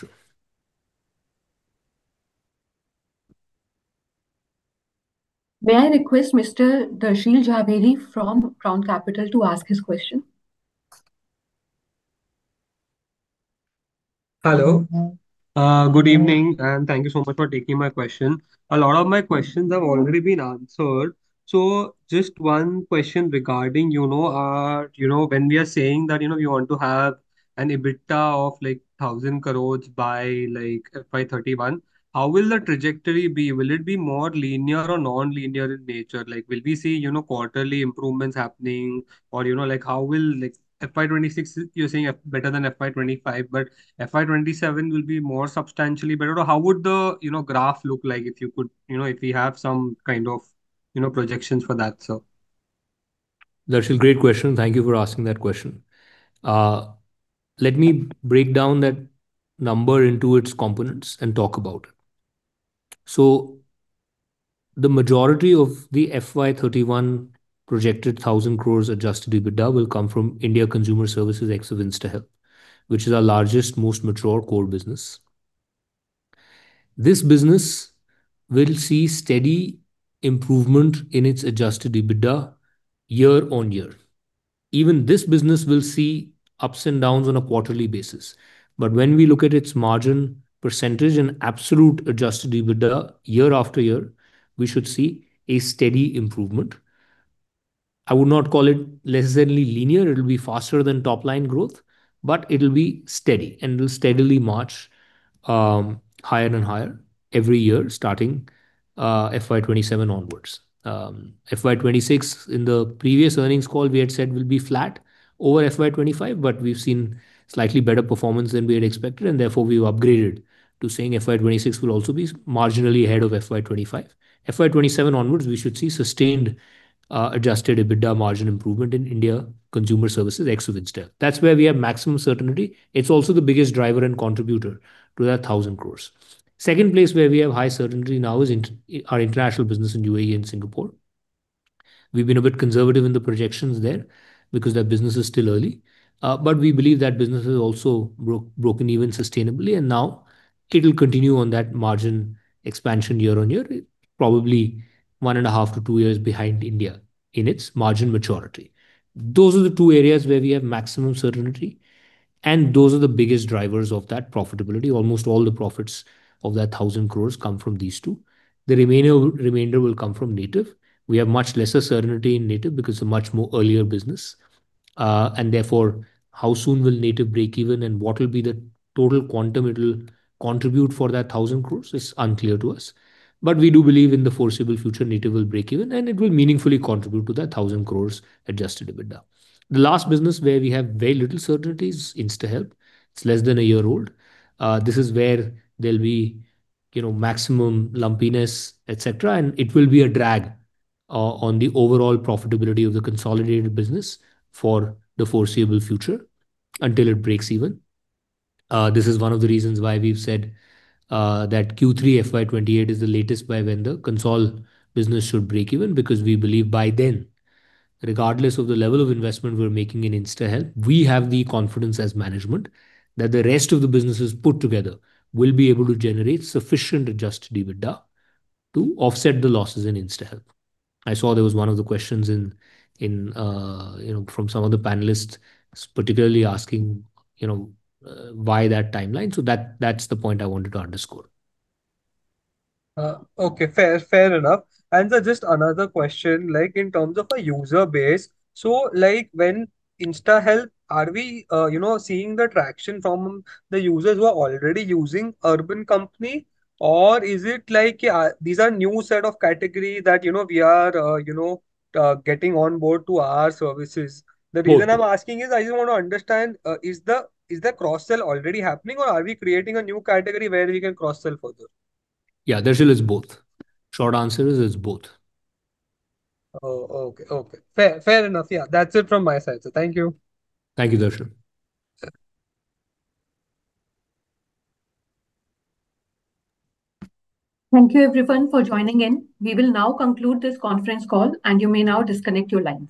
May I request Mr. Darshil Jhaveri from Crown Capital to ask his question? Hello, good evening and thank you so much for taking my question. A lot of my questions have already been answered. Third, so just one question regarding, you know, you know, when we are saying that you know, we want to have an EBITDA of like 1,000 crore by like FY31, how will the trajectory be? Will it be more linear or non-linear in nature? Like, will we see, you know, quarterly improvements happening or, you know, like how will like FY26. You're saying better than FY25 but FY27 will be more substantially better. How would the, you know, graph look like if you could, you know, if we have some kind of, you know, projections for that. So Darshil, great question. Thank you for asking that question. Let me break down that number into its components and talk about it. So the majority of the FY31 projected 1,000 crore Adjusted EBITDA will come from India Consumer Services ex of InstaHelp which is our largest most mature core business. This business will see steady improvement in its Adjusted EBITDA year-over-year. Even this business will see ups and downs on a quarterly basis. But when we look at its margin percentage and absolute Adjusted EBITDA year after year, we should see a steady improvement. I would not call it less than linear. It will be faster than top line growth. But it'll be steady and will steadily march higher and higher every year starting FY27 onwards. FY26 in the previous earnings call we had said will be flat over FY25. But we've seen slightly better performance than we had expected. And therefore we've upgraded to saying FY26 will also be marginally ahead of FY25. FY27 onwards we should see sustained Adjusted EBITDA margin improvement in India consumer services ex-InstaHelp. That's where we have maximum certainty. It's also the biggest driver and contributor to that 1,000 crore. Second place where we have high certainty now is in our international business in UAE and Singapore. We've been a bit conservative in the projections there because that business is still early. But we believe that business has also broken even sustainably and now it'll continue on that margin expansion year on year. Probably 1.5-2 years behind India in its margin maturity. Those are the two areas where we have maximum certainty and those are the biggest drivers of that profitability. Almost all the profits of that 1,000 crore come from these two. The remaining remainder will come from Native. We have much lesser certainty in Native because it's a much more earlier business. And therefore how soon will Native break even and what will be the total quantum it will contribute for that 1,000 crore is unclear to us. But we do believe in the foreseeable future Native will break even and it will meaningfully contribute to that 1,000 crore adjusted EBITDA. The last business where we have very little certainty is InstaHelp. It's less than a year old. This is where there'll be, you know, maximum lumpiness, etc. And it will be a drag on the overall profitability of the consolidated business for the foreseeable future until it breaks even. This is one of the reasons why we've said that Q3 FY28 is the latest by when the consolidated business should break even. Because we believe by then, regardless of the level of investment we're making in InstaHelp, we have the confidence as management that the rest of the businesses put together will be able to generate sufficient adjusted EBITDA to offset the losses in InstaHelp. I saw there was one of the questions in, you know, from some of the panelists, particularly asking, you know, why that timeline. So that's the point I wanted to underscore. Okay, fair, fair enough. So just another question, like in terms of a user base, so like when InstaHelp, are we, you know, seeing the traction from the users who are already using Urban Company, or is it like these are new set of category that, you know, we are, you know, getting on board to our services? The reason I'm asking is I just want to understand is the, is the cross sell already happening or are we creating a new category where we can cross sell further? Yeah, Darshil, it's both. Short answer is it's both. Oh, okay. Okay, fair. Fair enough. Yeah, that's it from my side. So thank you. Thank you, Darshil. Thank you everyone for joining in. We will now conclude this conference call and you may now disconnect your lines.